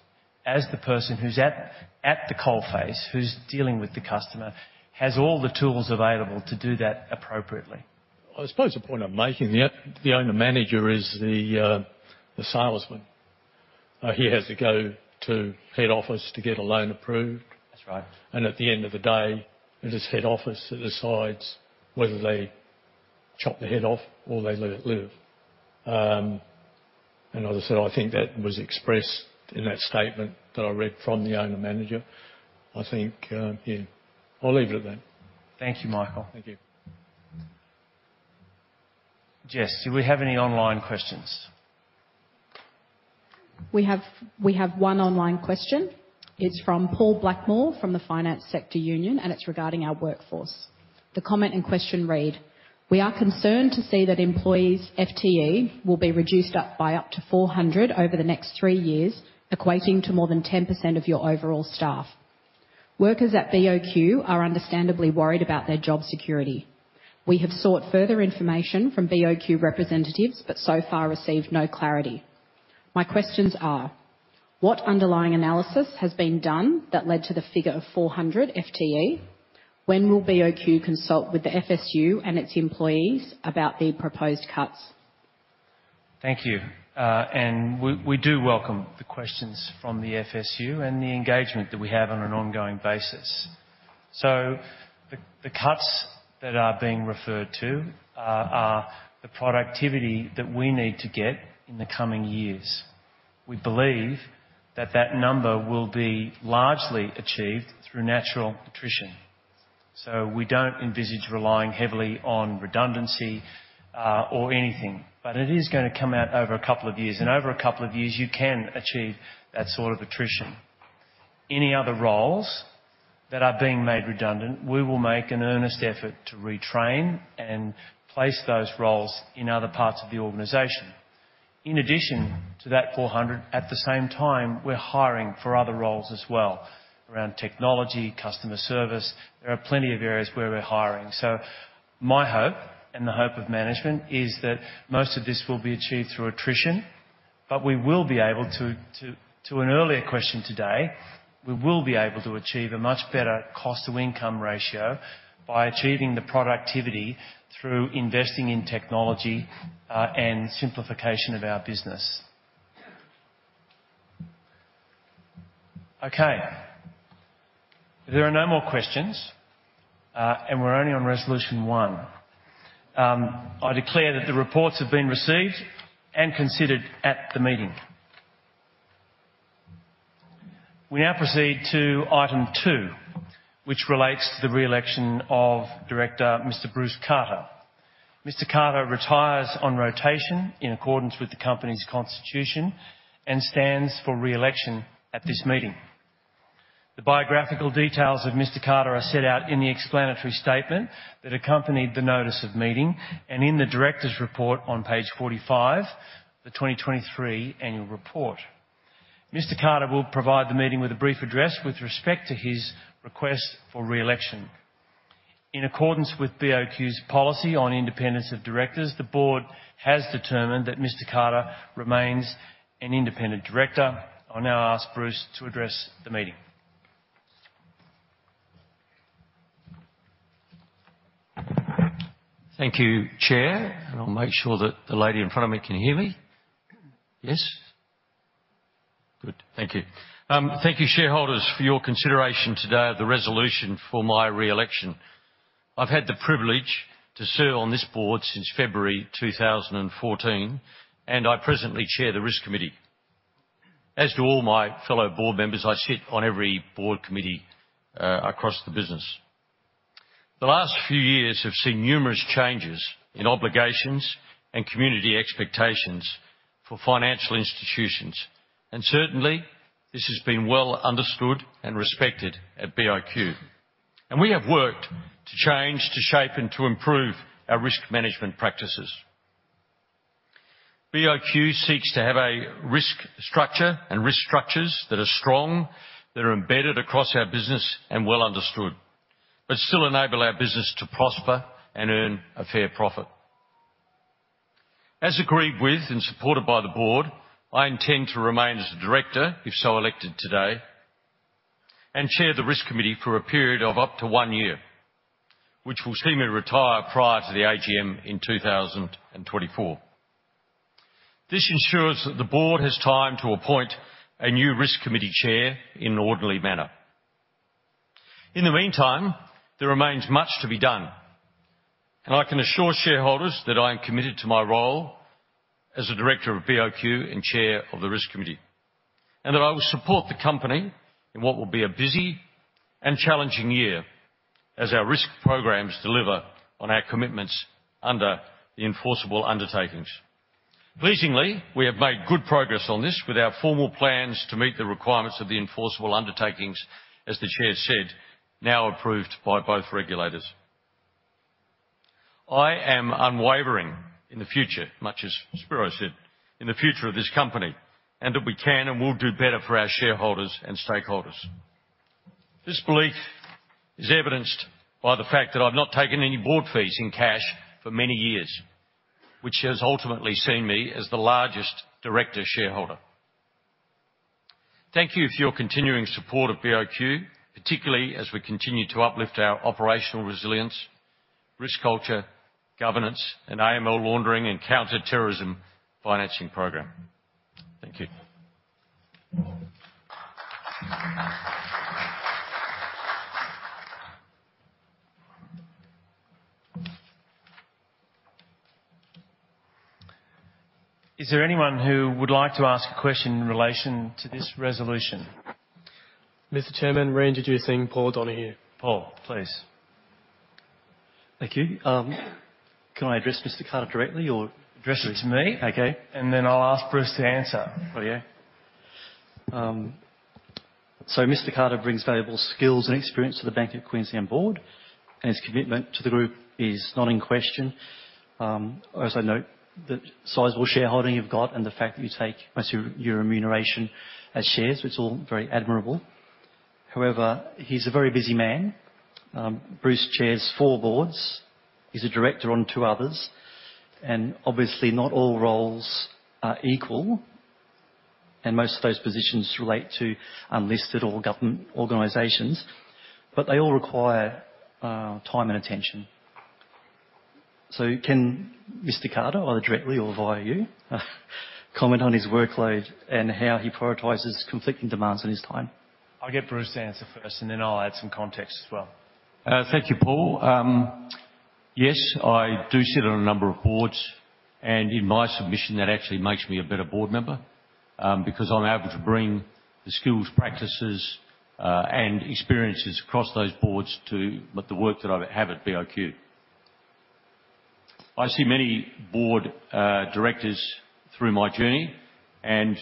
as the person who's at the coalface, who's dealing with the customer, has all the tools available to do that appropriately. I suppose the point I'm making, the owner-manager is the salesman. He has to go to head office to get a loan approved. That's right. At the end of the day, it is head office that decides whether they chop the head off or they let it live. As I said, I think that was expressed in that statement that I read from the owner-manager. I think, yeah, I'll leave it at that. Thank you, Michael. Thank you. Jess, do we have any online questions? We have one online question. It's from Paul Blackmore, from the Finance Sector Union, and it's regarding our workforce. The comment in question read: "We are concerned to see that employees' FTE will be reduced by up to 400 over the next three years, equating to more than 10% of your overall staff. Workers at BOQ are understandably worried about their job security. We have sought further information from BOQ representatives, but so far received no clarity. My questions are: What underlying analysis has been done that led to the figure of 400 FTE? When will BOQ consult with the FSU and its employees about the proposed cuts? Thank you. And we do welcome the questions from the FSU and the engagement that we have on an ongoing basis. So the cuts that are being referred to are the productivity that we need to get in the coming years. We believe that that number will be largely achieved through natural attrition. So we don't envisage relying heavily on redundancy or anything, but it is gonna come out over a couple of years, and over a couple of years, you can achieve that sort of attrition. Any other roles that are being made redundant, we will make an earnest effort to retrain and place those roles in other parts of the organization. In addition to that 400, at the same time, we're hiring for other roles as well, around technology, customer service. There are plenty of areas where we're hiring. So my hope, and the hope of management, is that most of this will be achieved through attrition, but we will be able to... To an earlier question today, we will be able to achieve a much better cost to income ratio by achieving the productivity through investing in technology and simplification of our business.... Okay. If there are no more questions, and we're only on resolution one, I declare that the reports have been received and considered at the meeting. We now proceed to item two, which relates to the re-election of Director Mr. Bruce Carter. Mr. Carter retires on rotation in accordance with the company's constitution and stands for re-election at this meeting. The biographical details of Mr. Carter are set out in the explanatory statement that accompanied the Notice of Meeting and in the director's report on page 45, the 2023 Annual Report. Mr. Carter will provide the meeting with a brief address with respect to his request for re-election. In accordance with BOQ's policy on independence of directors, the board has determined that Mr. Carter remains an independent director. I'll now ask Bruce to address the meeting. Thank you, Chair, and I'll make sure that the lady in front of me can hear me. Yes? Good. Thank you. Thank you, shareholders, for your consideration today of the resolution for my re-election. I've had the privilege to serve on this board since February 2014, and I presently Chair the Risk Committee. As to all my fellow board members, I sit on every board committee across the business. The last few years have seen numerous changes in obligations and community expectations for financial institutions, and certainly, this has been well understood and respected at BOQ. We have worked to change, to shape, and to improve our risk management practices. BOQ seeks to have a risk structure and risk structures that are strong, that are embedded across our business and well understood, but still enable our business to prosper and earn a fair profit. As agreed with and supported by the board, I intend to remain as a director, if so elected today, and Chair the Risk Committee for a period of up to one year, which will see me retire prior to the AGM in 2024. This ensures that the board has time to appoint a new Risk Committee Chair in an orderly manner. In the meantime, there remains much to be done, and I can assure shareholders that I am committed to my role as a director of BOQ and Chair of the Risk Committee, and that I will support the company in what will be a busy and challenging year as our risk programs deliver on our commitments under the enforceable undertakings. Pleasingly, we have made good progress on this with our formal plans to meet the requirements of the enforceable undertakings, as the Chair said, now approved by both regulators. I am unwavering in the future, much as Spiro said, in the future of this company, and that we can and will do better for our shareholders and stakeholders. This belief is evidenced by the fact that I've not taken any board fees in cash for many years, which has ultimately seen me as the largest director shareholder. Thank you for your continuing support of BOQ, particularly as we continue to uplift our operational resilience, risk culture, governance, and anti-money laundering and counter-terrorism financing program. Thank you. Is there anyone who would like to ask a question in relation to this resolution? Mr. Chairman, reintroducing Paul Donohue. Paul, please. Thank you. Can I address Mr. Carter directly or- Address it to me, okay? I'll ask Bruce to answer. Oh, yeah. So Mr. Carter brings valuable skills and experience to the Bank of Queensland board, and his commitment to the group is not in question. I also note the sizable shareholding you've got and the fact that you take most of your remuneration as shares. It's all very admirable. However, he's a very busy man. Bruce chairs four boards. He's a director on two others, and obviously, not all roles are equal, and most of those positions relate to unlisted or government organizations, but they all require time and attention. So can Mr. Carter, either directly or via you, comment on his workload and how he prioritizes conflicting demands on his time? I'll get Bruce to answer first, and then I'll add some context as well. Thank you, Paul. Yes, I do sit on a number of boards, and in my submission, that actually makes me a better board member, because I'm able to bring the skills, practices, and experiences across those boards to the work that I have at BOQ. I see many board directors through my journey, and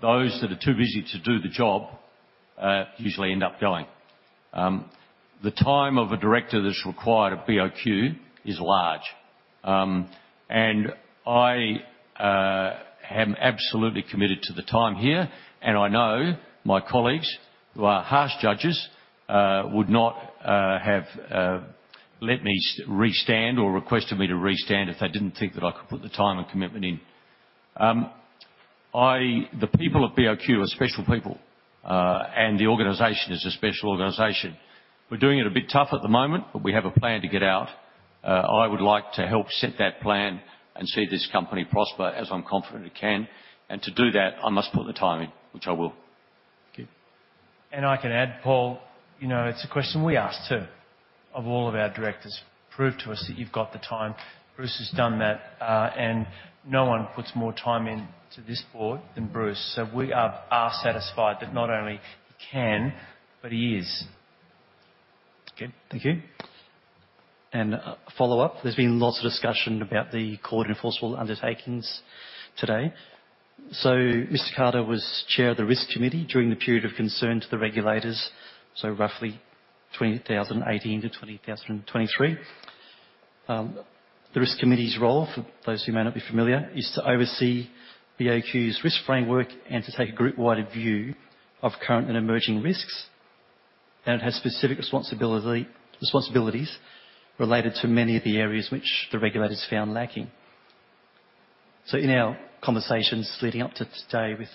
those that are too busy to do the job, usually end up going. The time of a director that's required at BOQ is large, and I am absolutely committed to the time here, and I know my colleagues, who are harsh judges, would not have let me re-stand or requested me to re-stand if they didn't think that I could put the time and commitment in. The people of BOQ are special people, and the organization is a special organization. We're doing it a bit tough at the moment, but we have a plan to get out. I would like to help set that plan and see this company prosper, as I'm confident it can. And to do that, I must put the time in, which I will. Thank you. And I can add, Paul, you know, it's a question we asked, too, of all of our directors: "Prove to us that you've got the time." Bruce has done that, and no one puts more time into this board than Bruce. So we are satisfied that not only he can, but he is. Good. Thank you. And, follow-up, there's been lots of discussion about the Court Enforceable Undertakings today. So Mr. Carter was Chair of the Risk Committee during the period of concern to the regulators, so roughly 2018 to 2023. The Risk Committee's role, for those who may not be familiar, is to oversee the BOQ's risk framework and to take a group-wide view of current and emerging risks. And it has specific responsibility, responsibilities related to many of the areas which the regulators found lacking. So in our conversations leading up to today with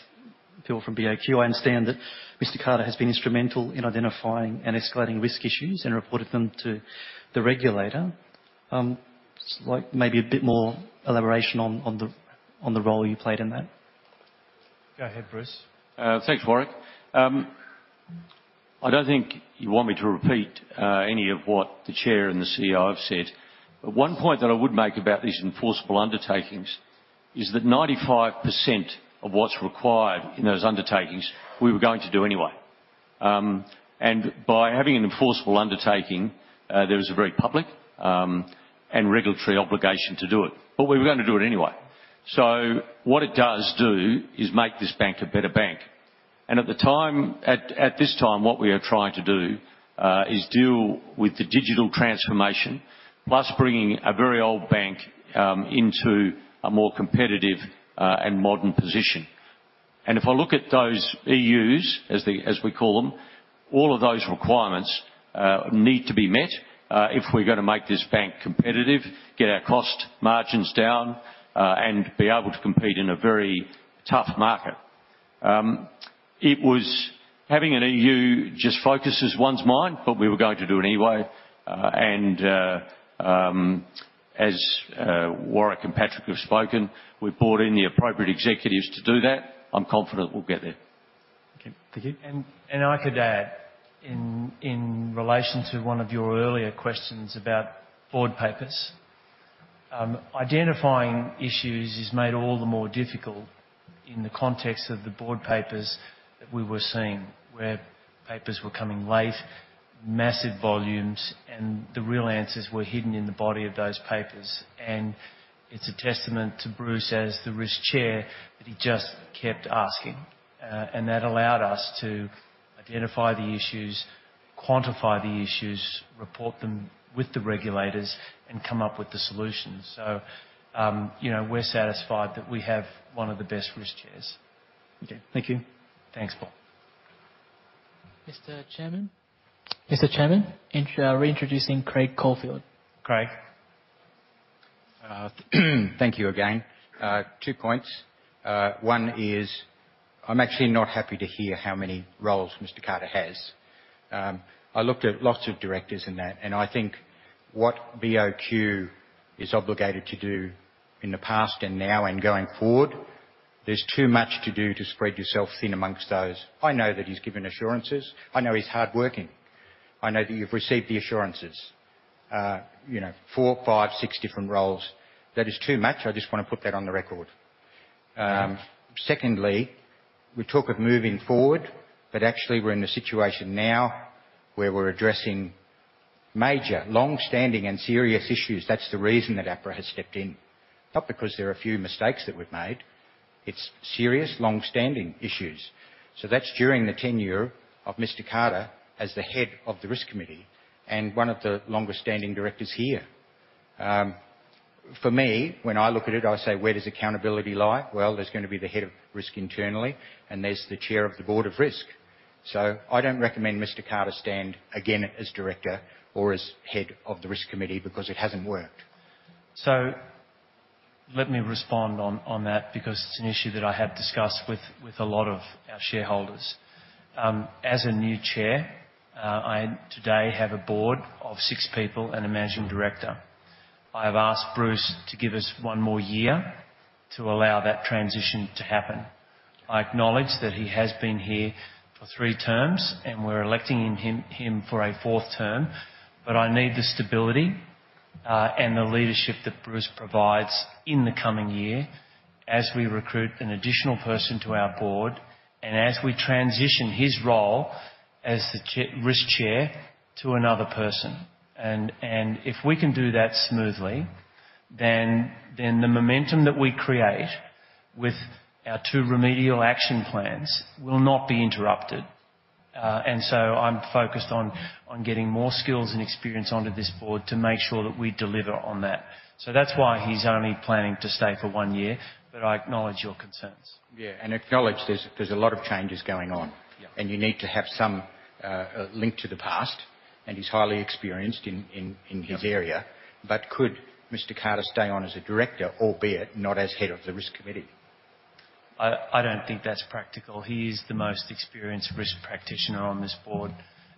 people from BOQ, I understand that Mr. Carter has been instrumental in identifying and escalating risk issues and reported them to the regulator. Just like maybe a bit more elaboration on the role you played in that. Go ahead, Bruce. Thanks, Warwick. I don't think you want me to repeat any of what the Chair and the CEO have said. But one point that I would make about these enforceable undertakings is that 95% of what's required in those undertakings, we were going to do anyway. And by having an enforceable undertaking, there was a very public, and regulatory obligation to do it, but we were going to do it anyway. So what it does do is make this bank a better bank. And at this time, what we are trying to do is deal with the digital transformation, plus bringing a very old bank into a more competitive, and modern position. If I look at those EUs, as we call them, all of those requirements need to be met if we're gonna make this bank competitive, get our cost margins down, and be able to compete in a very tough market. It was... Having an EU just focuses one's mind, but we were going to do it anyway. And as Warwick and Patrick have spoken, we've brought in the appropriate executives to do that. I'm confident we'll get there. Okay. Thank you. I could add, in relation to one of your earlier questions about board papers, identifying issues is made all the more difficult in the context of the board papers that we were seeing, where papers were coming late, massive volumes, and the real answers were hidden in the body of those papers. It's a testament to Bruce, as the Risk Chair, that he just kept asking, and that allowed us to identify the issues, quantify the issues, report them with the regulators, and come up with the solutions. You know, we're satisfied that we have one of the best Risk Chair. Okay. Thank you. Thanks, Paul. Mr. Chairman? Mr. Chairman, reintroducing Craig Caulfield. Craig. Thank you again. Two points. One is I'm actually not happy to hear how many roles Mr. Carter has. I looked at lots of directors in that, and I think what BOQ is obligated to do in the past and now and going forward, there's too much to do to spread yourself thin among those. I know that he's given assurances. I know he's hardworking. I know that you've received the assurances. You know, four, five, six different roles. That is too much. I just want to put that on the record. Secondly, we talk of moving forward, but actually, we're in a situation now where we're addressing major, long-standing, and serious issues. That's the reason that APRA has stepped in, not because there are a few mistakes that we've made. It's serious, long-standing issues. So that's during the tenure of Mr. Carter as the head of the Risk Committee and one of the longest-standing directors here. For me, when I look at it, I say: Where does accountability lie? Well, there's going to be the head of risk internally, and there's the Chair of the Board of Risk. So I don't recommend Mr. Carter stand again as director or as Head of the Risk Committee because it hasn't worked. So let me respond on that, because it's an issue that I have discussed with a lot of our shareholders. As a new Chair, I today have a board of six people and a Managing Director. I have asked Bruce to give us one more year to allow that transition to happen. I acknowledge that he has been here for three terms, and we're electing him for a fourth term, but I need the stability and the leadership that Bruce provides in the coming year as we recruit an additional person to our board and as we transition his role as the Risk Chair to another person. And if we can do that smoothly, then the momentum that we create with our two Remedial Action Plans will not be interrupted. and so I'm focused on getting more skills and experience onto this board to make sure that we deliver on that. So that's why he's only planning to stay for one year, but I acknowledge your concerns. Yeah, and acknowledge there's a lot of changes going on- Yeah. And you need to have some link to the past, and he's highly experienced in his area. But could Mr. Carter stay on as a director, albeit not as Head of the Risk Committee?... I don't think that's practical. He is the most experienced risk practitioner on this board.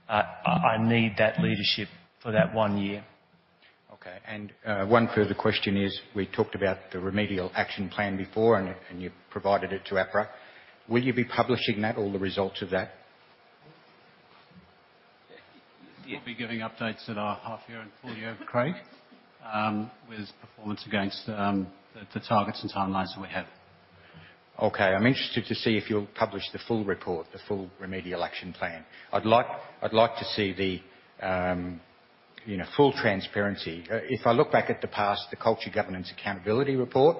I need that leadership for that one year. Okay, and, one further question is: we talked about the Remedial Action Plan before, and you provided it to APRA. Will you be publishing that, all the results of that? Yeah, we'll be giving updates at our half year and full-year, Craig, with performance against the targets and timelines that we have. Okay. I'm interested to see if you'll publish the full report, the full Remedial Action Plan. I'd like, I'd like to see the, you know, full transparency. If I look back at the past, the Culture Governance Accountability Report,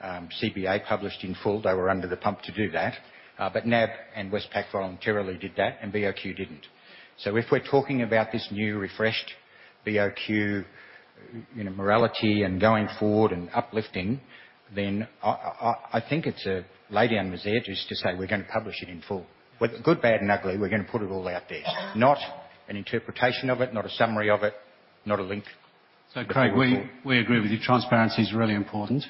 CBA published in full, they were under the pump to do that. But NAB and Westpac voluntarily did that, and BOQ didn't. So if we're talking about this new, refreshed BOQ, you know, morality and going forward and uplifting, then I, I, I think it's a lay down these edges to say we're gonna publish it in full. With good, bad, and ugly, we're gonna put it all out there. Not an interpretation of it, not a summary of it, not a link. So, Craig, we agree with you. Transparency is really important.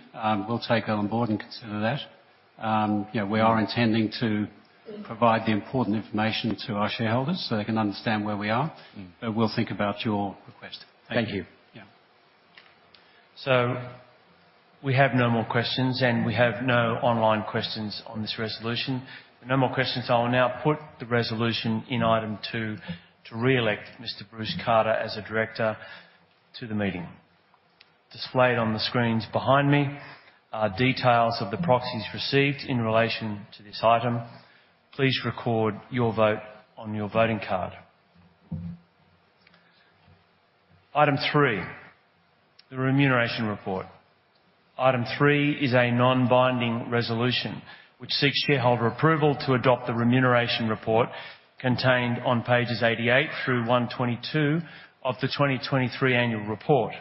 We'll take that on board and consider that. You know, we are intending to provide the important information to our shareholders so they can understand where we are. Mm. But we'll think about your request. Thank you. Yeah. So we have no more questions, and we have no online questions on this resolution. No more questions. I will now put the resolution in item two to re-elect Mr. Bruce Carter as a director to the meeting. Displayed on the screens behind me are details of the proxies received in relation to this item. Please record your vote on your voting card. Item three: the Remuneration Report. Item three is a non-binding resolution which seeks shareholder approval to adopt the Remuneration Report contained on pages 88 through 122 of the 2023 Annual Report.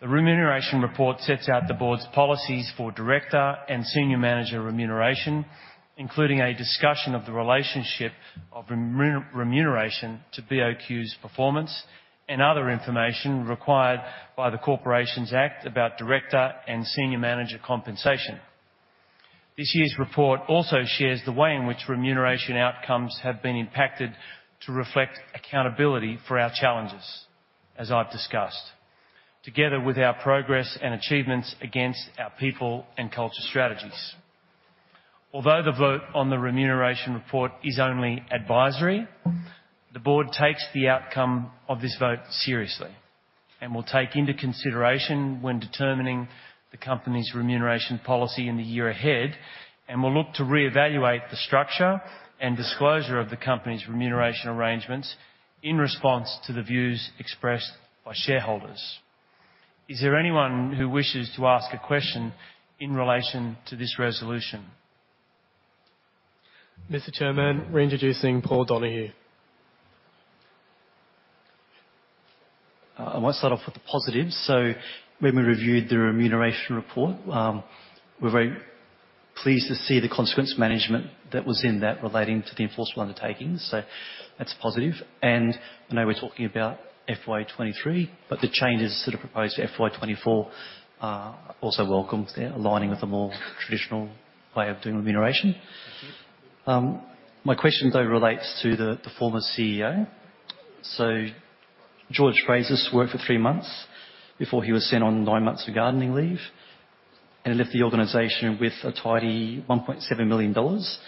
The Remuneration Report sets out the board's policies for director and senior manager remuneration, including a discussion of the relationship of remuneration to BOQ's performance and other information required by the Corporations Act about director and senior manager compensation. This year's report also shares the way in which remuneration outcomes have been impacted to reflect accountability for our challenges, as I've discussed, together with our progress and achievements against our people and culture strategies. Although the vote on the Remuneration Report is only advisory, the board takes the outcome of this vote seriously and will take into consideration when determining the company's remuneration policy in the year ahead, and will look to reevaluate the structure and disclosure of the company's remuneration arrangements in response to the views expressed by shareholders. Is there anyone who wishes to ask a question in relation to this resolution? Mr. Chairman, reintroducing Paul Donohue. I want to start off with the positives. So when we reviewed the Remuneration Report, we're very pleased to see the consequence management that was in that relating to the enforceable undertakings, so that's positive. And I know we're talking about FY 2023, but the changes that are proposed to FY 2024 are also welcomed. They're aligning with a more traditional way of doing remuneration. My question, though, relates to the former CEO. So George Frazis worked for three months before he was sent on nine months of gardening leave, and he left the organization with a tidy 1.7 million dollars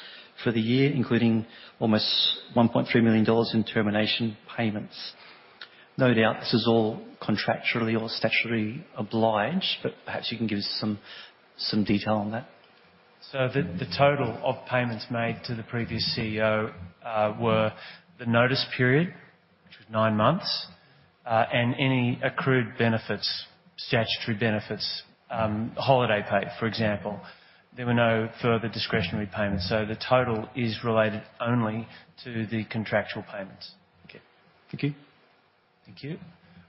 for the year, including almost 1.3 million dollars in termination payments. No doubt this is all contractually or statutorily obliged, but perhaps you can give us some detail on that. So the total of payments made to the previous CEO were the notice period, which was nine months, and any accrued benefits, statutory benefits, holiday pay, for example. There were no further discretionary payments, so the total is related only to the contractual payments. Okay. Thank you. Thank you.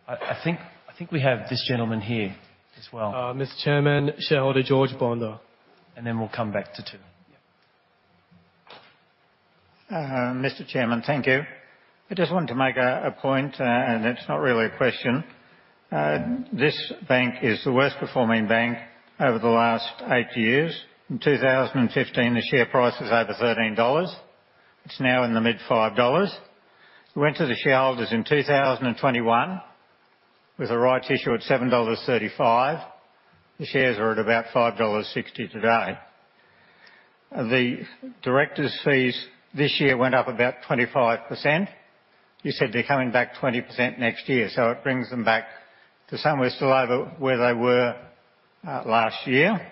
I think we have this gentleman here as well. Mr. Chairman, shareholder George Bonder. Then we'll come back to two. Yeah. Mr. Chairman, thank you. I just wanted to make a point, and it's not really a question. This bank is the worst-performing bank over the last eight years. In 2015, the share price was over 13 dollars. It's now in the mid-AUD 5. We went to the shareholders in 2021 with a rights issue at 7.35 dollars. The shares are at about 5.60 dollars today. The directors' fees this year went up about 25%. You said they're coming back 20% next year, so it brings them back to somewhere still over where they were last year.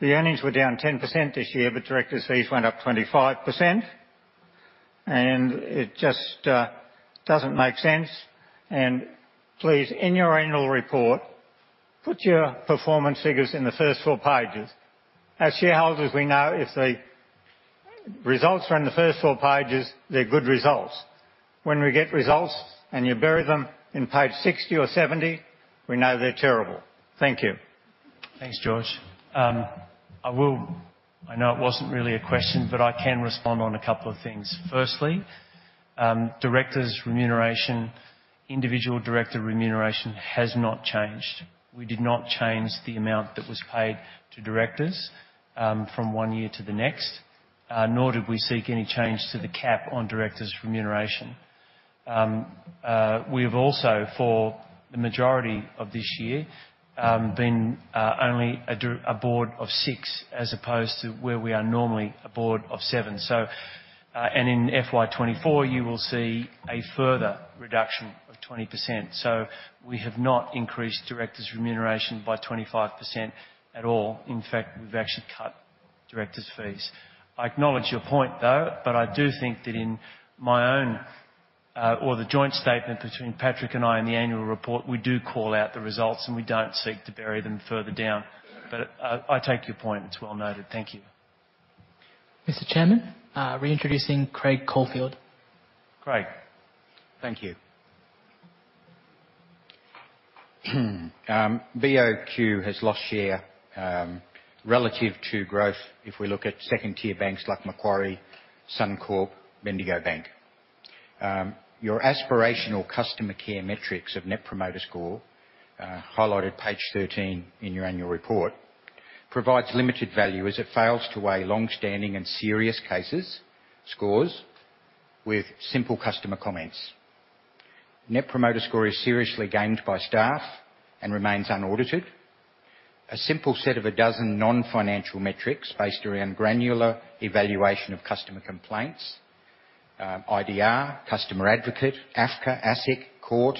The earnings were down 10% this year, but directors' fees went up 25%, and it just doesn't make sense. And please, in your Annual Report, put your performance figures in the first four pages. As shareholders, we know if the results are in the first four pages, they're good results. When we get results and you bury them in page 60 or 70, we know they're terrible. Thank you. Thanks, George. I will... I know it wasn't really a question, but I can respond on a couple of things. Firstly-... directors' remuneration, individual director remuneration has not changed. We did not change the amount that was paid to directors, from one year to the next, nor did we seek any change to the cap on directors' remuneration. We've also, for the majority of this year, been only a dir-- a board of six, as opposed to where we are normally a board of seven. So, and in FY 2024, you will see a further reduction of 20%. So we have not increased directors' remuneration by 25% at all. In fact, we've actually cut directors' fees. I acknowledge your point, though, but I do think that in my own, or the joint statement between Patrick and I in the Annual Report, we do call out the results, and we don't seek to bury them further down. But I take your point. It's well noted. Thank you. Mr. Chairman, reintroducing Craig Caulfield. Craig, thank you. BOQ has lost share, relative to growth if we look at second-tier banks like Macquarie, Suncorp, Bendigo Bank. Your aspirational customer care metrics of Net Promoter Score, highlighted page 13 in your Annual Report, provides limited value as it fails to weigh long-standing and serious cases scores with simple customer comments. Net Promoter Score is seriously gamed by staff and remains unaudited. A simple set of 12 non-financial metrics based around granular evaluation of customer complaints, IDR, customer advocate, AFCA, ASIC, court,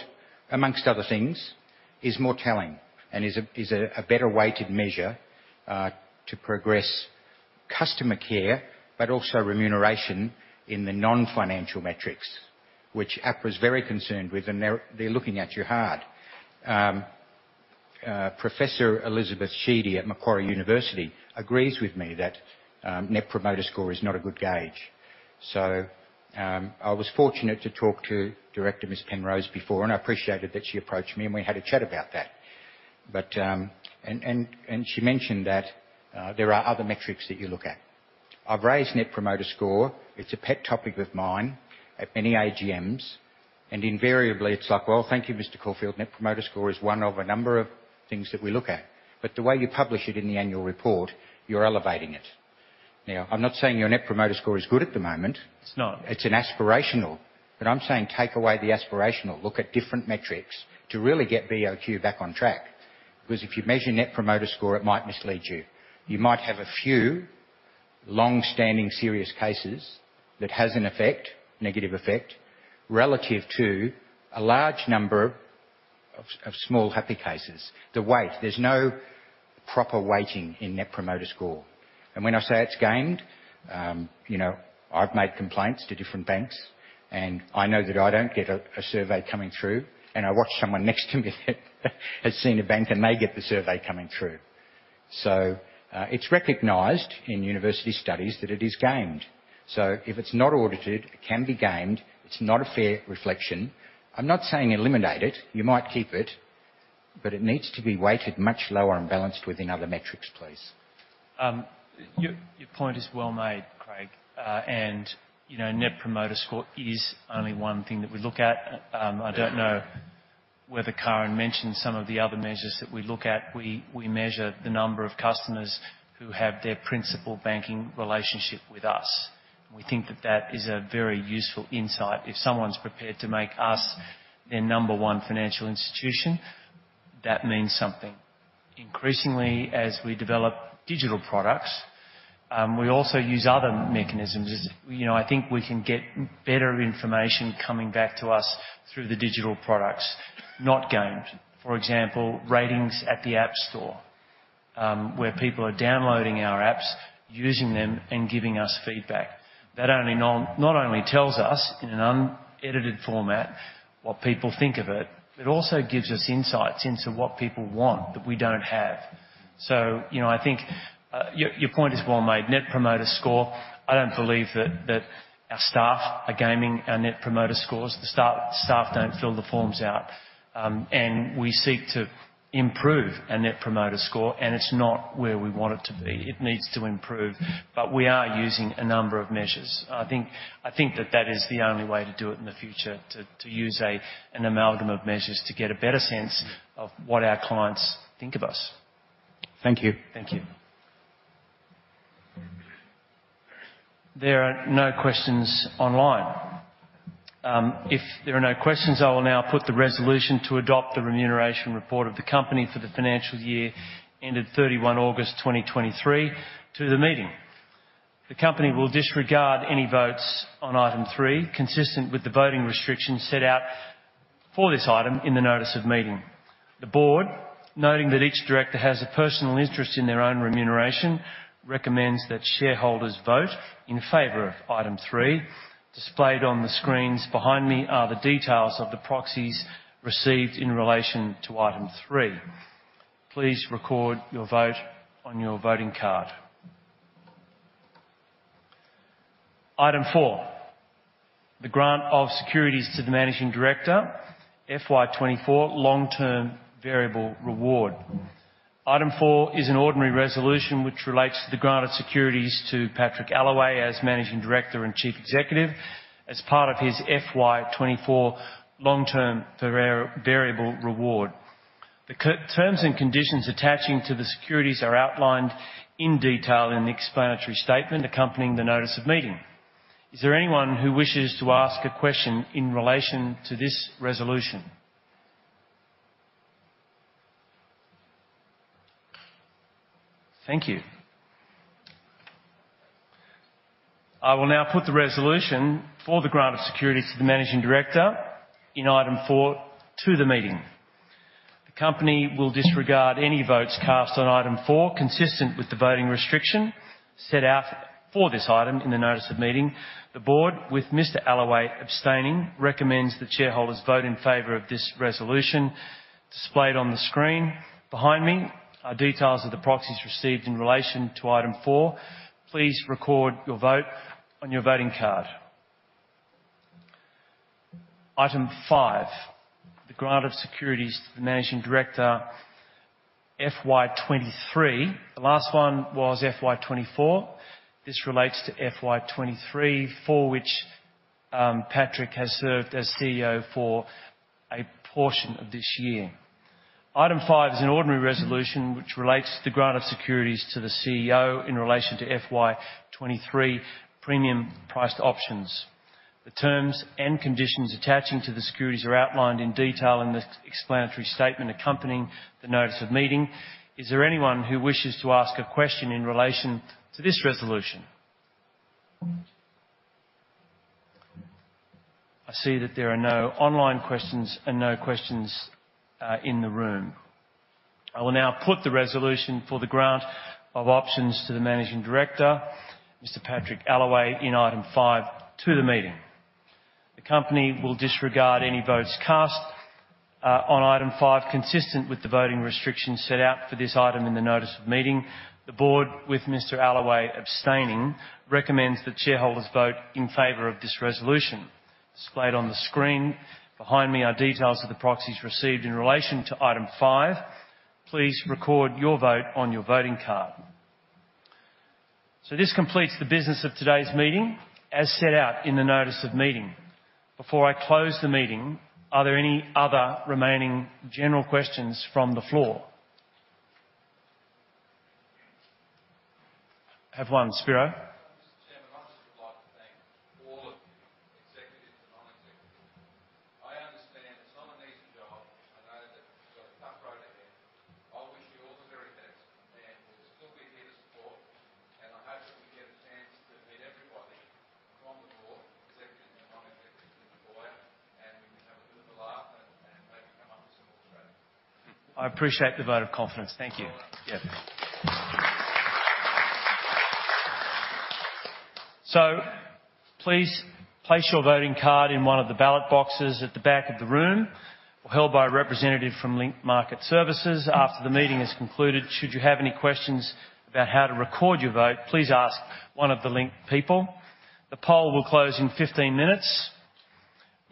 amongst other things, is more telling and is a better weighted measure, to progress customer care, but also remuneration in the non-financial metrics, which APRA is very concerned with, and they're looking at you hard. Professor Elizabeth Sheedy at Macquarie University agrees with me that, Net Promoter Score is not a good gauge. So, I was fortunate to talk to Director Ms. Penrose before, and I appreciated that she approached me, and we had a chat about that. But... And she mentioned that there are other metrics that you look at. I've raised Net Promoter Score, it's a pet topic of mine at many AGMs, and invariably, it's like, "Well, thank you, Mr. Caulfield. Net Promoter Score is one of a number of things that we look at." But the way you publish it in the Annual Report, you're elevating it. Now, I'm not saying your Net Promoter Score is good at the moment. It's not. It's an aspirational, but I'm saying take away the aspirational. Look at different metrics to really get BOQ back on track. Because if you measure Net Promoter Score, it might mislead you. You might have a few long-standing, serious cases that has an effect, negative effect, relative to a large number of small, happy cases. The weight, there's no proper weighting in Net Promoter Score. And when I say it's gamed, you know, I've made complaints to different banks, and I know that I don't get a survey coming through, and I watch someone next to me that has seen a bank, and they get the survey coming through. So, it's recognized in university studies that it is gamed. So if it's not audited, it can be gamed. It's not a fair reflection. I'm not saying eliminate it. You might keep it, but it needs to be weighted much lower and balanced within other metrics, please. Your point is well made, Craig. And, you know, Net Promoter Score is only one thing that we look at. I don't know whether Karen mentioned some of the other measures that we look at. We measure the number of customers who have their principal banking relationship with us. We think that that is a very useful insight. If someone's prepared to make us their number one financial institution, that means something. Increasingly, as we develop digital products, we also use other mechanisms. As you know, I think we can get better information coming back to us through the digital products, not gamed. For example, ratings at the App Store, where people are downloading our apps, using them, and giving us feedback. That not only tells us in an unedited format what people think of it, it also gives us insights into what people want that we don't have. So, you know, I think your point is well made. Net Promoter Score, I don't believe that our staff are gaming our Net Promoter Scores. The staff don't fill the forms out, and we seek to improve our Net Promoter Score, and it's not where we want it to be. It needs to improve, but we are using a number of measures. I think that is the only way to do it in the future, to use an amalgam of measures to get a better sense of what our clients think of us. Thank you. Thank you. There are no questions online. If there are no questions, I will now put the resolution to adopt the Remuneration Report of the company for the financial year ended 31 August 2023 to the meeting. The company will disregard any votes on item three, consistent with the voting restrictions set out for this item in the Notice of Meeting. The board, noting that each director has a personal interest in their own remuneration, recommends that shareholders vote in favor of item three. Displayed on the screens behind me are the details of the proxies received in relation to item three. Please record your vote on your voting card. Item four, the grant of securities to the Managing Director, FY 2024, long-term variable reward.... Item four is an ordinary resolution, which relates to the granted securities to Patrick Allaway as Managing Director and Chief Executive, as part of his FY 2024 long-term variable reward. The terms and conditions attaching to the securities are outlined in detail in the explanatory statement accompanying the Notice of Meeting. Is there anyone who wishes to ask a question in relation to this resolution? Thank you. I will now put the resolution for the grant of securities to the Managing Director in item four to the meeting. The company will disregard any votes cast on item four, consistent with the voting restriction set out for this item in the Notice of Meeting. The board, with Mr. Allaway abstaining, recommends that shareholders vote in favor of this resolution displayed on the screen. Behind me are details of the proxies received in relation to item four. Please record your vote on your voting card. Item five, the grant of securities to the Managing Director, FY 2023. The last one was FY 2024. This relates to FY 2023, for which Patrick has served as CEO for a portion of this year. Item five is an ordinary resolution, which relates to the grant of securities to the CEO in relation to FY 2023 premium-priced options. The terms and conditions attaching to the securities are outlined in detail in the explanatory statement accompanying the Notice of Meeting. Is there anyone who wishes to ask a question in relation to this resolution? I see that there are no online questions and no questions in the room. I will now put the resolution for the grant of options to the Managing Director, Mr. Patrick Allaway, in item five to the meeting. The company will disregard any votes cast on item five, consistent with the voting restrictions set out for this item in the Notice of Meeting. The board, with Mr. Allaway abstaining, recommends that shareholders vote in favor of this resolution. Displayed on the screen behind me are details of the proxies received in relation to item five. Please record your vote on your voting card. This completes the business of today's meeting, as set out in the Notice of Meeting. Before I close the meeting, are there any other remaining general questions from the floor? I have one, Spiro.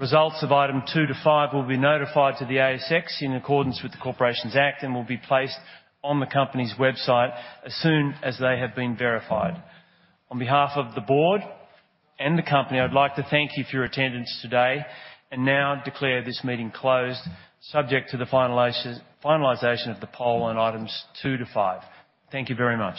Results of item two to five will be notified to the ASX in accordance with the Corporations Act and will be placed on the company's website as soon as they have been verified. On behalf of the board and the company, I'd like to thank you for your attendance today, and now declare this meeting closed, subject to the finalization, finalization of the poll on items two to five. Thank you very much.